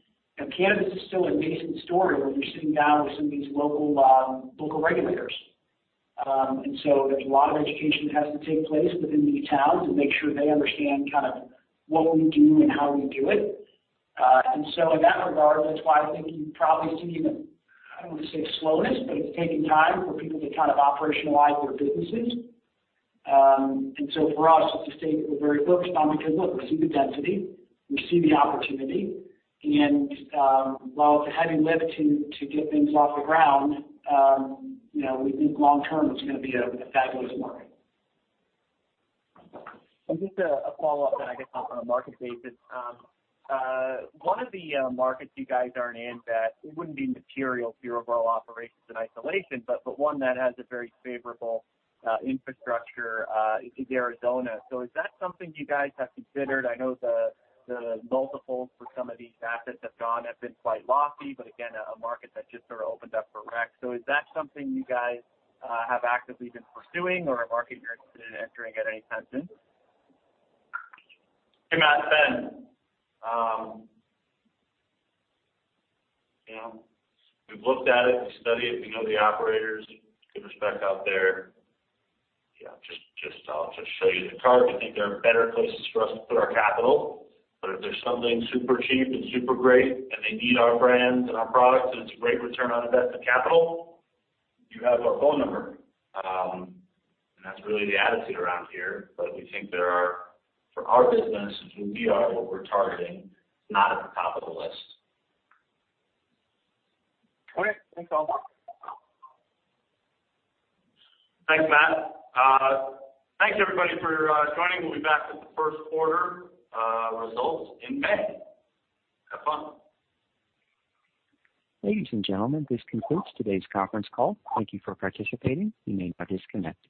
Cannabis is still a nascent story when you're sitting down with some of these local regulators. There's a lot of education that has to take place within these towns to make sure they understand kind of what we do and how we do it. In that regard, that's why I think you probably see the, I don't want to say slowness, but it's taking time for people to kind of operationalize their businesses. For us, it's a state that we're very focused on because, look, we see the density, we see the opportunity, and while it's a heavy lift to get things off the ground, we think long term, it's going to be a fabulous market. Just a follow-up then I guess on a market basis. One of the markets you guys aren't in that it wouldn't be material to your overall operations in isolation, but one that has a very favorable infrastructure is Arizona. Is that something you guys have considered? I know the multiples for some of these assets that have gone have been quite lofty, but again, a market that just sort of opened up for rec. Is that something you guys have actively been pursuing or a market you're interested in entering at any time soon? Hey, Matt, it's Ben. We've looked at it. We've studied it. We know the operators, good respect out there. I'll just show you the card. We think there are better places for us to put our capital, but if there's something super cheap and super great, and they need our brands and our products, and it's a great return on invested capital, you have our phone number. That's really the attitude around here. We think there are, for our business, who we are, what we're targeting, it's not at the top of the list. Okay, thanks all. Thanks, Matt. Thanks everybody for joining. We'll be back with the first quarter results in May. Have fun. Ladies and gentlemen, this concludes today's conference call. Thank you for participating. You may now disconnect.